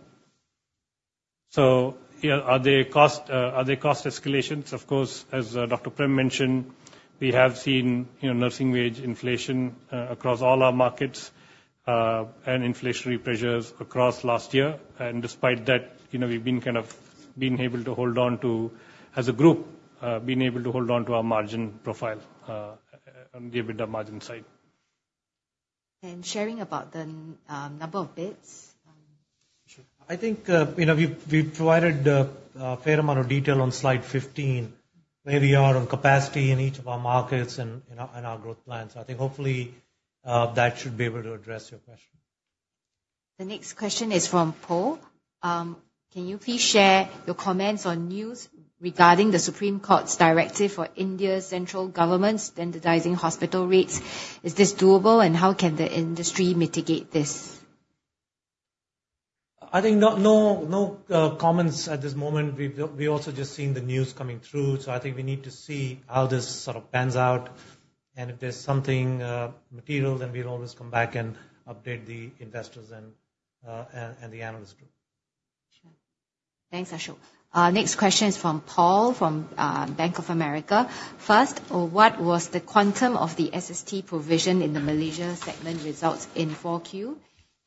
Are there cost escalations? Of course, as Dr. Prem mentioned, we have seen nursing wage inflation across all our markets and inflationary pressures across last year. And despite that, we've been kind of able to hold on to, as a group, been able to hold on to our margin profile on the EBITDA margin side. And sharing about the number of beds. Sure. I think we've provided a fair amount of detail on slide 15 where we are on capacity in each of our markets and our growth plans. I think hopefully that should be able to address your question. The next question is from Paul. Can you please share your comments on news regarding the Supreme Court's directive for India's central government standardizing hospital rates? Is this doable, and how can the industry mitigate this? I think no comments at this moment. We've also just seen the news coming through. So I think we need to see how this sort of pans out. And if there's something material, then we'll always come back and update the investors and the analyst group. Sure. Thanks, Ashok. Next question is from Paul from Bank of America. First, what was the quantum of the SST provision in the Malaysia segment results in 4Q?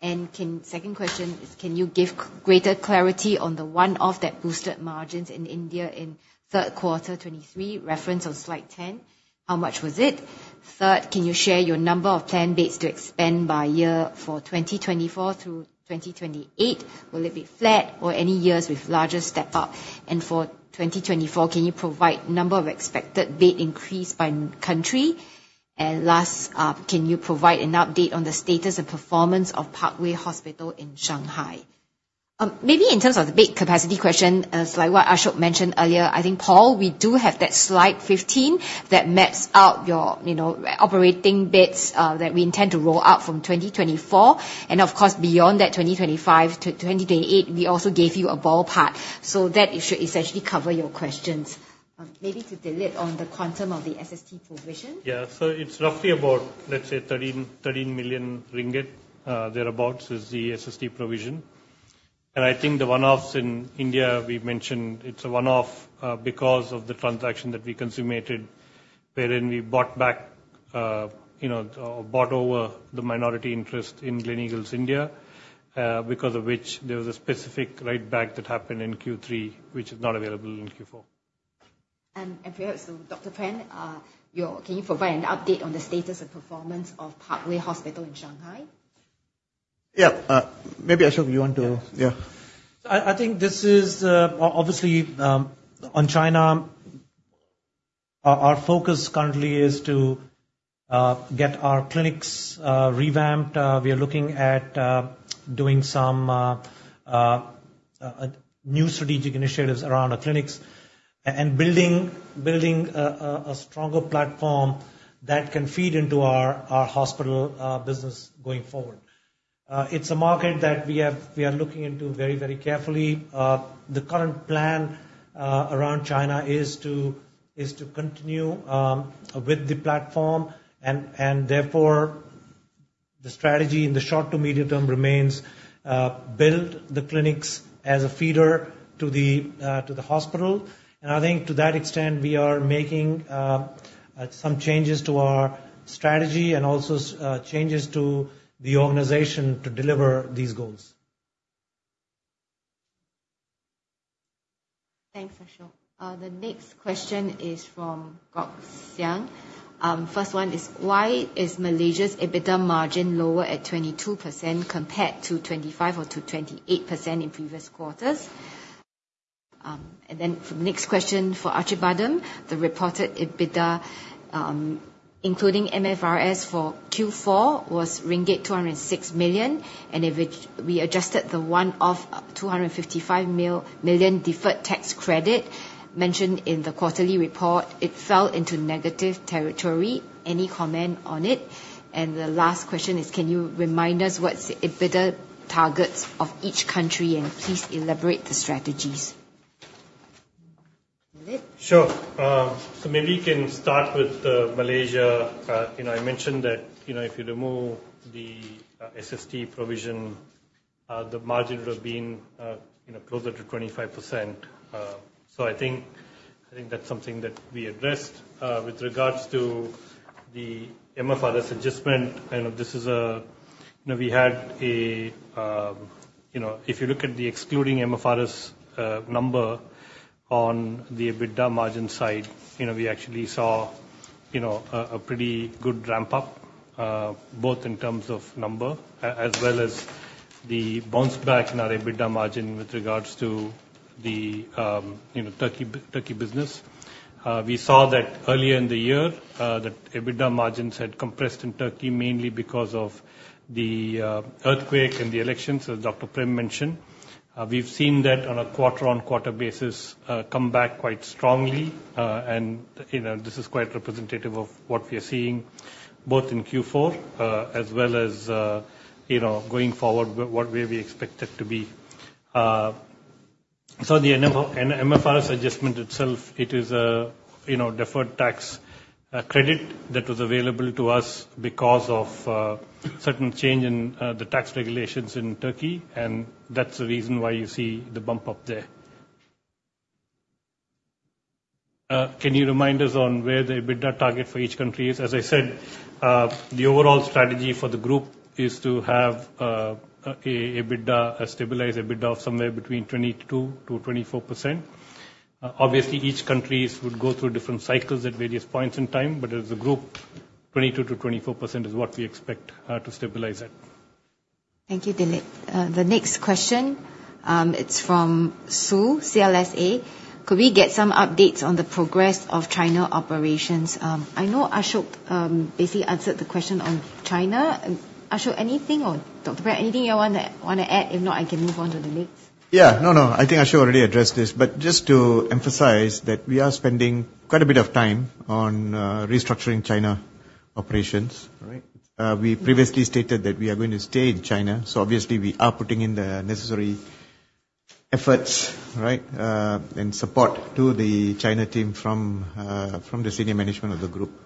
And second question is, can you give greater clarity on the one-off that boosted margins in India in third quarter 2023, reference on slide 10? How much was it? Third, can you share your number of planned beds to expand by year for 2024 through 2028? Will it be flat or any years with larger step-up? And for 2024, can you provide number of expected bed increase by country? Last, can you provide an update on the status and performance of Parkway Hospital in Shanghai? Maybe in terms of the bed capacity question, as what Ashok mentioned earlier, I think, Paul, we do have that slide 15 that maps out your operating beds that we intend to roll out from 2024. And of course, beyond that, 2025 to 2028, we also gave you a ballpark. So that should essentially cover your questions. Maybe to Dilip on the quantum of the SST provision. Yeah. So it's roughly about, let's say, 13 million ringgit thereabouts is the SST provision. And I think the one-offs in India, we mentioned, it's a one-off because of the transaction that we consummated wherein we bought back or bought over the minority interest in Gleneagles India because of which there was a specific write-back that happened in Q3, which is not available in Q4. Perhaps Dr. Prem, can you provide an update on the status and performance of Parkway Shanghai Hospital? Yeah. Maybe Ashok, you want to? Yeah. So I think this is obviously, on China, our focus currently is to get our clinics revamped. We are looking at doing some new strategic initiatives around our clinics and building a stronger platform that can feed into our hospital business going forward. It's a market that we are looking into very, very carefully. The current plan around China is to continue with the platform. And therefore, the strategy in the short to medium term remains build the clinics as a feeder to the hospital. And I think to that extent, we are making some changes to our strategy and also changes to the organization to deliver these goals. Thanks, Ashok. The next question is from Gok Siang. First one is, why is Malaysia's EBITDA margin lower at 22% compared to 25% or to 28% in previous quarters? And then next question for Acibadem. The reported EBITDA, including MFRS for Q4, was ringgit 206 million. And if we adjusted the one-off 255 million deferred tax credit mentioned in the quarterly report, it fell into negative territory. Any comment on it? And the last question is, can you remind us what's the EBITDA targets of each country? And please elaborate the strategies. Dilip? Sure.So maybe you can start with Malaysia. I mentioned that if you remove the SST provision, the margin would have been closer to 25%. So I think that's something that we addressed. With regards to the MFRS adjustment, this is, if you look at the excluding MFRS number on the EBITDA margin side, we actually saw a pretty good ramp-up both in terms of number as well as the bounce-back in our EBITDA margin with regards to the Turkey business. We saw that earlier in the year, that EBITDA margins had compressed in Turkey mainly because of the earthquake and the elections, as Dr. Prem mentioned. We've seen that on a quarter-on-quarter basis come back quite strongly. And this is quite representative of what we are seeing both in Q4 as well as going forward, what we expect it to be. So the MFRS adjustment itself, it is a deferred tax credit that was available to us because of certain change in the tax regulations in Turkey. And that's the reason why you see the bump-up there. Can you remind us on where the EBITDA target for each country is? As I said, the overall strategy for the group is to have a stabilized EBITDA of somewhere between 22%-24%. Obviously, each country would go through different cycles at various points in time. But as a group, 22%-24% is what we expect to stabilize at. Thank you, Dilip. The next question, it's from Su, CLSA. Could we get some updates on the progress of China operations? I know Ashok basically answered the question on China. Ashok, anything or Dr. Prem, anything you want to add? If not, I can move on to Dilip. Yeah. No, no. I think Ashok already addressed this. But just to emphasize that we are spending quite a bit of time on restructuring China operations. We previously stated that we are going to stay in China. So obviously, we are putting in the necessary efforts and support to the China team from the senior management of the group.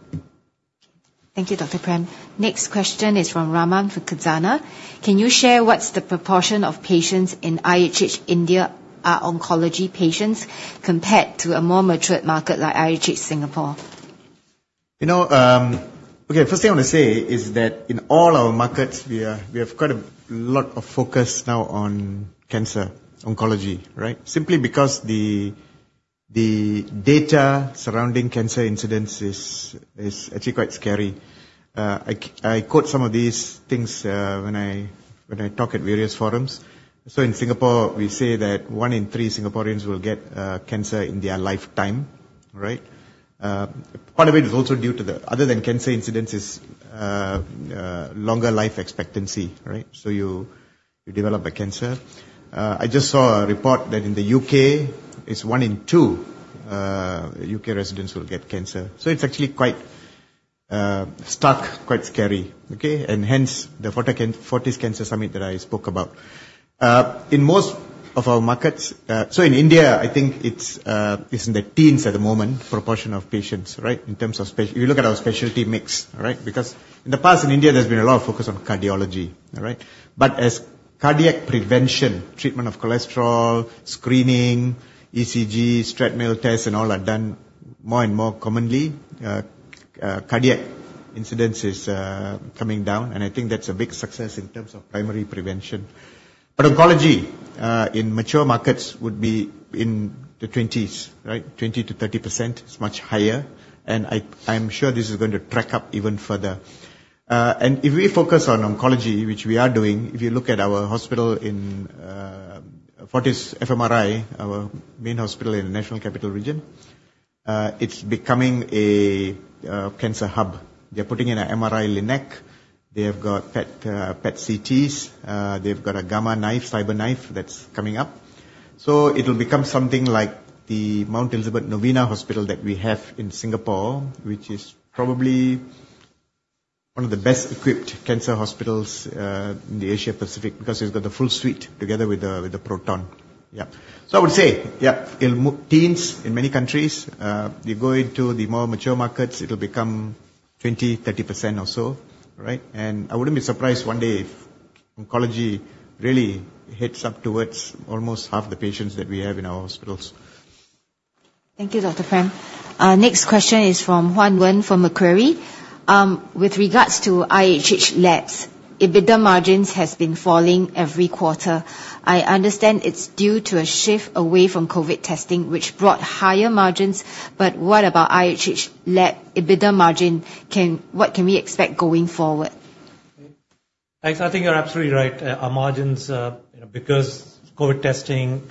Thank you, Dr. Prem. Next question is from Rahman from Khazanah. Can you share what's the proportion of patients in IHH India that are oncology patients compared to a more mature market like IHH Singapore? Okay. First thing I want to say is that in all our markets, we have quite a lot of focus now on cancer, oncology, simply because the data surrounding cancer incidence is actually quite scary. I quote some of these things when I talk at various forums. So in Singapore, we say that one in three Singaporeans will get cancer in their lifetime. Part of it is also due to the other than cancer incidence is longer life expectancy. So you develop a cancer. I just saw a report that in the U.K., it's one in two U.K. residents will get cancer. So it's actually quite stark, quite scary. Hence, the Fortis Cancer Summit that I spoke about. In most of our markets, so in India, I think it's in the teens at the moment, proportion of patients in terms of if you look at our specialty mix. Because in the past, in India, there's been a lot of focus on cardiology. But as cardiac prevention, treatment of cholesterol, screening, ECG, treadmill tests, and all are done more and more commonly, cardiac incidence is coming down. I think that's a big success in terms of primary prevention. But oncology in mature markets would be in the 20s, 20%-30%. It's much higher. I'm sure this is going to track up even further. If we focus on oncology, which we are doing, if you look at our hospital in Fortis FMRI, our main hospital in the National Capital Region, it's becoming a cancer hub. They're putting in a MR-Linac. They have got PET CTs. They've got a Gamma Knife, CyberKnife that's coming up. So it'll become something like the Mount Elizabeth Novena Hospital that we have in Singapore, which is probably one of the best-equipped cancer hospitals in the Asia-Pacific because it's got the full suite together with the proton. Yeah. So I would say, yeah, it'll move teens in many countries. You go into the more mature markets, it'll become 20%-30% or so. And I wouldn't be surprised one day if oncology really heads up towards almost half the patients that we have in our hospitals. Thank you, Dr. Prem. Next question is from Guan Wen from Macquarie. With regards to IHH Labs, EBITDA margins have been falling every quarter. I understand it's due to a shift away from COVID testing, which brought higher margins. But what about IHH Lab EBITDA margin? What can we expect going forward? Thanks. I think you're absolutely right. Our margins, because COVID testing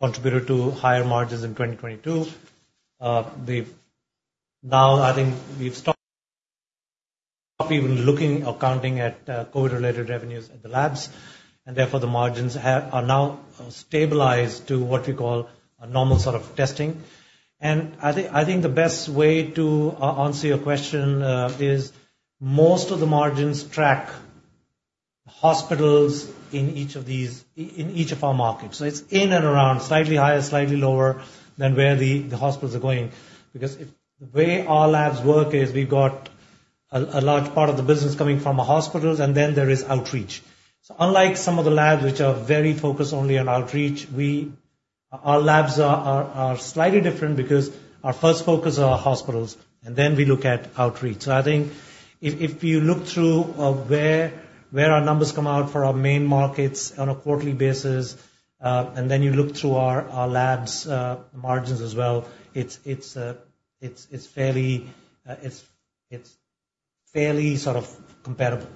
contributed to higher margins in 2022, now I think we've stopped even looking or counting at COVID-related revenues at the labs. And therefore, the margins are now stabilized to what we call normal sort of testing. And I think the best way to answer your question is most of the margins track hospitals in each of our markets. So it's in and around, slightly higher, slightly lower than where the hospitals are going. Because the way our labs work is we've got a large part of the business coming from our hospitals, and then there is outreach. So unlike some of the labs which are very focused only on outreach, our labs are slightly different because our first focus are our hospitals. And then we look at outreach. So I think if you look through where our numbers come out for our main markets on a quarterly basis, and then you look through our labs' margins as well, it's fairly sort of comparable.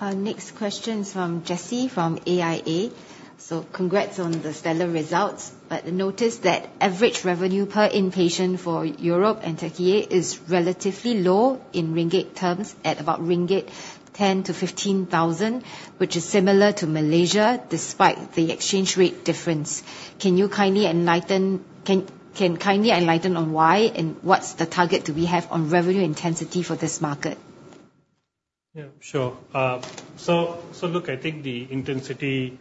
Next question is from Jesse from AIA. So congrats on the stellar results. But notice that average revenue per inpatient for Europe and Türkiye is relatively low in ringgit terms at about 10,000-15,000 ringgit, which is similar to Malaysia despite the exchange rate difference. Can you kindly enlighten on why and what's the target that we have on revenue intensity for this market? Yeah. Sure. So look, I think the intensity,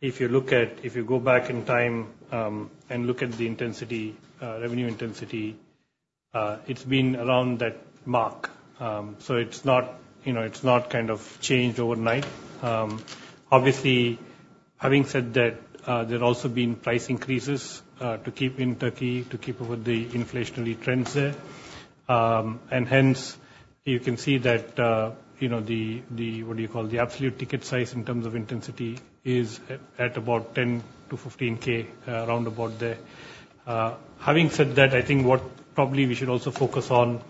if you go back in time and look at the revenue intensity, it's been around that mark. So it's not kind of changed overnight. Obviously, having said that, there have also been price increases to keep up in Turkey with the inflationary trends there. And hence, you can see that the what do you call? The absolute ticket size in terms of intensity is at about 10,000-15,000, roundabout there. Having said that, I think what probably we should also focus on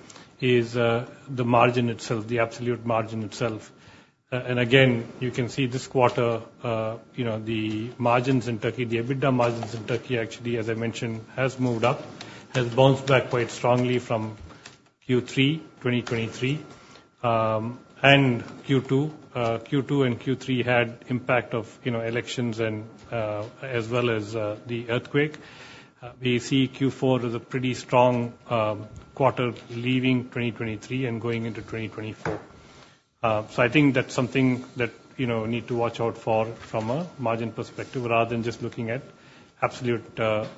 is the margin itself, the absolute margin itself. Again, you can see this quarter, the margins in Turkey, the EBITDA margins in Turkey actually, as I mentioned, has moved up, has bounced back quite strongly from Q3 2023 and Q2. Q2 and Q3 had impact of elections as well as the earthquake. We see Q4 as a pretty strong quarter leaving 2023 and going into 2024. I think that's something that we need to watch out for from a margin perspective rather than just looking at absolute per-bill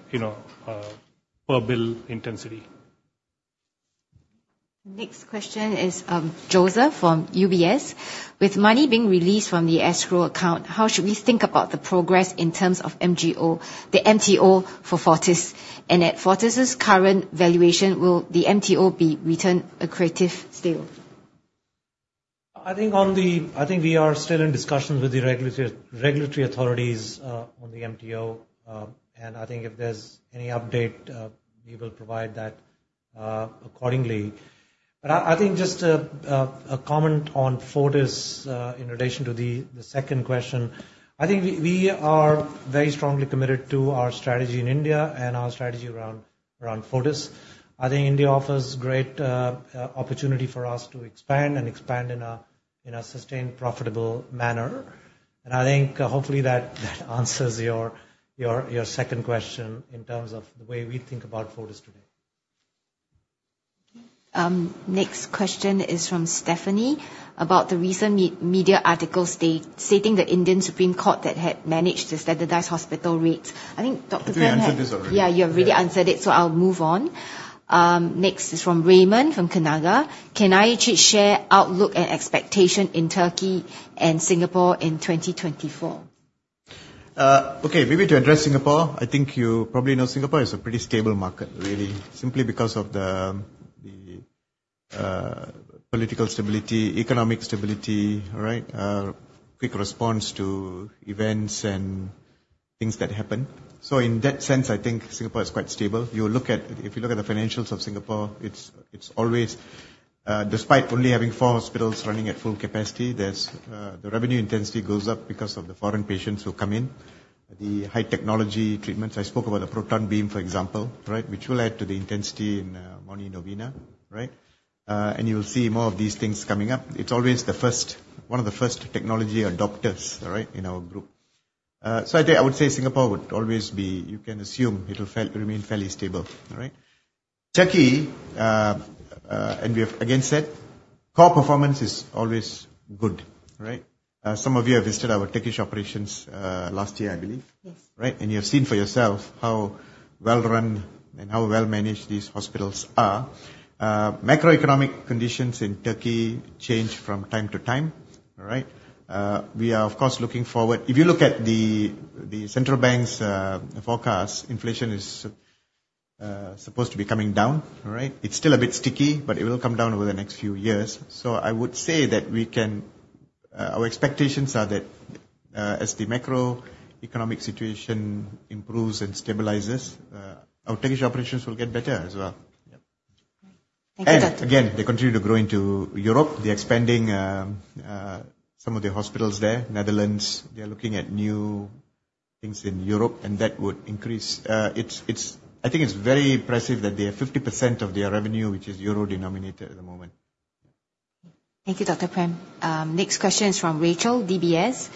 intensity. Next question is Joshua from UBS. With money being released from the escrow account, how should we think about the progress in terms of MTO for Fortis? And at Fortis' current valuation, will the MTO be return accretive still? I think we are still in discussions with the regulatory authorities on the MTO. And I think if there's any update, we will provide that accordingly. But I think just a comment on Fortis in relation to the second question. I think we are very strongly committed to our strategy in India and our strategy around Fortis. I think India offers great opportunity for us to expand and expand in a sustained, profitable manner. And I think hopefully that answers your second question in terms of the way we think about Fortis today. Next question is from Stephanie about the recent media article stating the Indian Supreme Court that had managed to standardize hospital rates. I think, Dr. Prem, have you answered this already? Yeah. You've already answered it. So I'll move on. Next is from Raymond from Kenanga. Can IHH share outlook and expectation in Turkey and Singapore in 2024? Okay. Maybe to address Singapore, I think you probably know Singapore is a pretty stable market, really, simply because of the political stability, economic stability, quick response to events and things that happen. So in that sense, I think Singapore is quite stable. If you look at the financials of Singapore, it's always despite only having four hospitals running at full capacity, the revenue intensity goes up because of the foreign patients who come in, the high-technology treatments. I spoke about the Proton Beam, for example, which will add to the intensity in Mount Novena. And you will see more of these things coming up. It's always one of the first technology adopters in our group. So I would say Singapore would always be you can assume it'll remain fairly stable. Turkey, and we have again said, core performance is always good. Some of you have visited our Turkish operations last year, I believe. You have seen for yourself how well-run and how well-managed these hospitals are. Macroeconomic conditions in Turkey change from time to time. We are, of course, looking forward. If you look at the central bank's forecast, inflation is supposed to be coming down. It's still a bit sticky, but it will come down over the next few years. So I would say that we can. Our expectations are that as the macroeconomic situation improves and stabilizes, our Turkish operations will get better as well. Again, they continue to grow into Europe. They're expanding some of their hospitals there. Netherlands, they are looking at new things in Europe. And that would increase. I think it's very impressive that they have 50% of their revenue, which is euro-denominated at the moment. Thank you, Dr. Prem. Next question is from Rachel, DBS.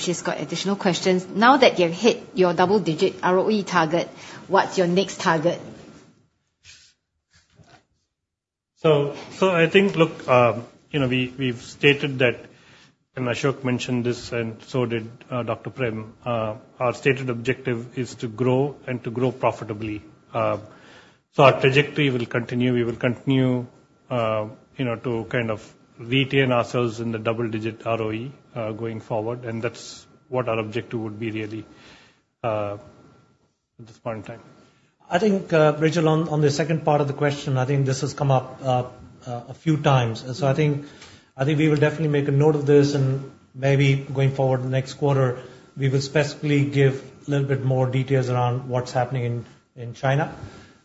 She's got additional questions. Now that you've hit your double-digit ROE target, what's your next target? So I think, look, we've stated that and Ashok mentioned this, and so did Dr. Prem. Our stated objective is to grow and to grow profitably. So our trajectory will continue. We will continue to kind of retain ourselves in the double-digit ROE going forward. And that's what our objective would be really at this point in time. Rachel, on the second part of the question, I think this has come up a few times. So I think we will definitely make a note of this. And maybe going forward, next quarter, we will specifically give a little bit more details around what's happening in China,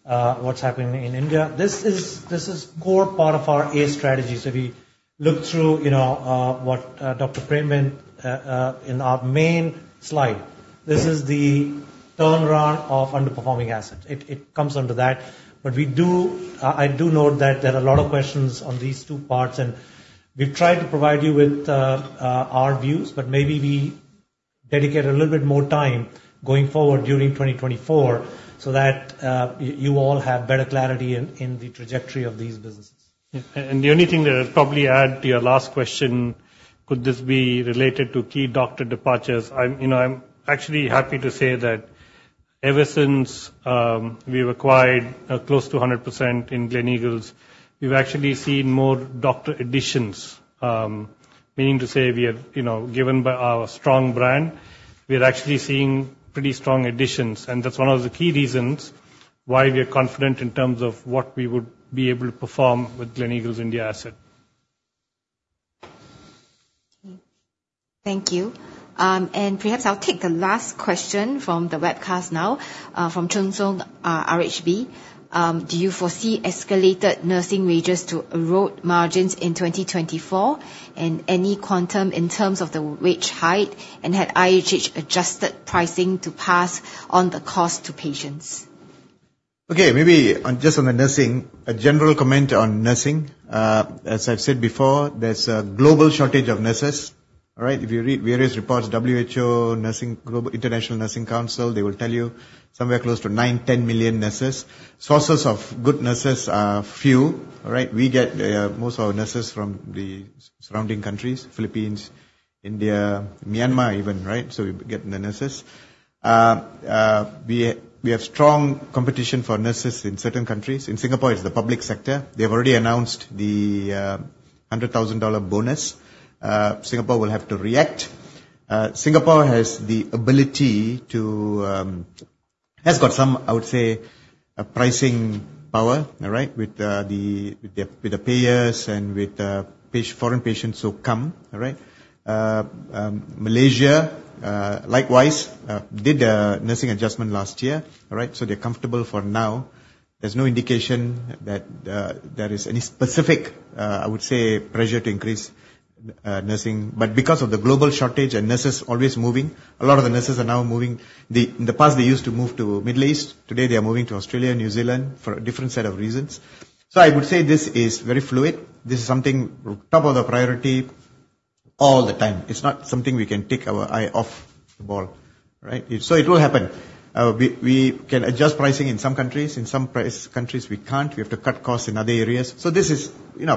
what's happening in India. This is a core part of our A strategy. So we looked through what Dr. Prem went in our main slide. This is the turnaround of underperforming assets. It comes under that. But I do note that there are a lot of questions on these two parts. And we've tried to provide you with our views. But maybe we dedicate a little bit more time going forward during 2024 so that you all have better clarity in the trajectory of these businesses. Yeah. And the only thing that I'd probably add to your last question, could this be related to key doctor departures? I'm actually happy to say that ever since we've acquired close to 100% in Gleneagles, we've actually seen more doctor additions. Meaning to say, given by our strong brand, we're actually seeing pretty strong additions. And that's one of the key reasons why we are confident in terms of what we would be able to perform with Gleneagles India asset. Thank you. And perhaps I'll take the last question from the webcast now from Chun Sung, RHB. Do you foresee escalated nursing wages to erode margins in 2024 and any quantum in terms of the wage hike? And had IHH adjusted pricing to pass on the cost to patients? Okay. Maybe just on the nursing, a general comment on nursing. As I've said before, there's a global shortage of nurses. If you read various reports, WHO, International Nursing Council, they will tell you somewhere close to 9-10 million nurses. Sources of good nurses are few. We get most of our nurses from the surrounding countries, Philippines, India, Myanmar even. So we get the nurses. We have strong competition for nurses in certain countries. In Singapore, it's the public sector. They've already announced the $100,000 bonus. Singapore will have to react. Singapore has got some, I would say, pricing power with the payers and with foreign patients who come. Malaysia, likewise, did a nursing adjustment last year. So they're comfortable for now. There's no indication that there is any specific, I would say, pressure to increase nursing. But because of the global shortage and nurses always moving, a lot of the nurses are now moving. In the past, they used to move to the Middle East. Today, they are moving to Australia, New Zealand for a different set of reasons. So I would say this is very fluid. This is something top of the priority all the time. It's not something we can take our eye off the ball. So it will happen. We can adjust pricing in some countries. In some countries, we can't. We have to cut costs in other areas. So this is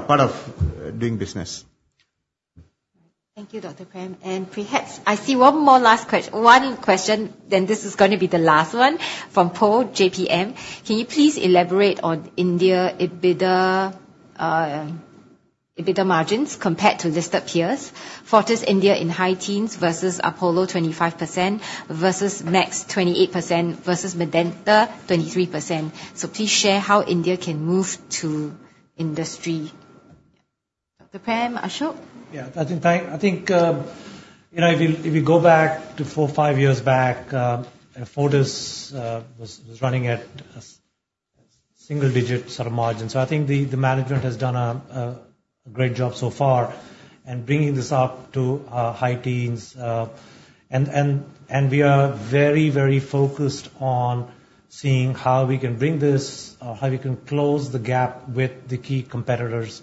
part of doing business. Thank you, Dr. Prem. And perhaps I see one more last question. One question, then this is going to be the last one from Paul, JPM. Can you please elaborate on India EBITDA margins compared to listed peers? Fortis India in high teens versus Apollo 25% versus Max 28% versus Medanta 23%. So please share how India can move to industry. Dr. Prem, Ashok? Yeah. I think if we go back to four, five years back, Fortis was running at a single-digit sort of margin. So I think the management has done a great job so far in bringing this up to high teens. And we are very, very focused on seeing how we can bring this, how we can close the gap with the key competitors.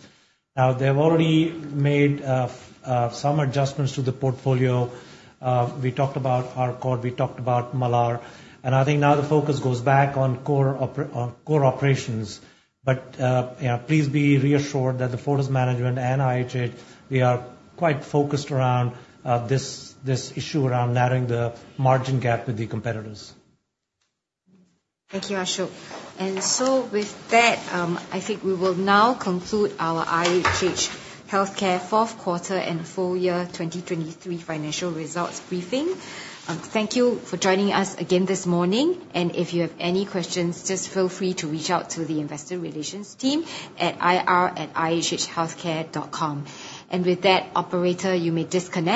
Now, they've already made some adjustments to the portfolio. We talked about Arcot. We talked about Malaysia. I think now the focus goes back on core operations. But please be reassured that the Fortis management and IHH, we are quite focused around this issue around narrowing the margin gap with the competitors. Thank you, Ashok. So with that, I think we will now conclude our IHH Healthcare fourth quarter and full year 2023 financial results briefing. Thank you for joining us again this morning. And if you have any questions, just feel free to reach out to the investor relations team at ir@ihhhealthcare.com. And with that, operator, you may disconnect.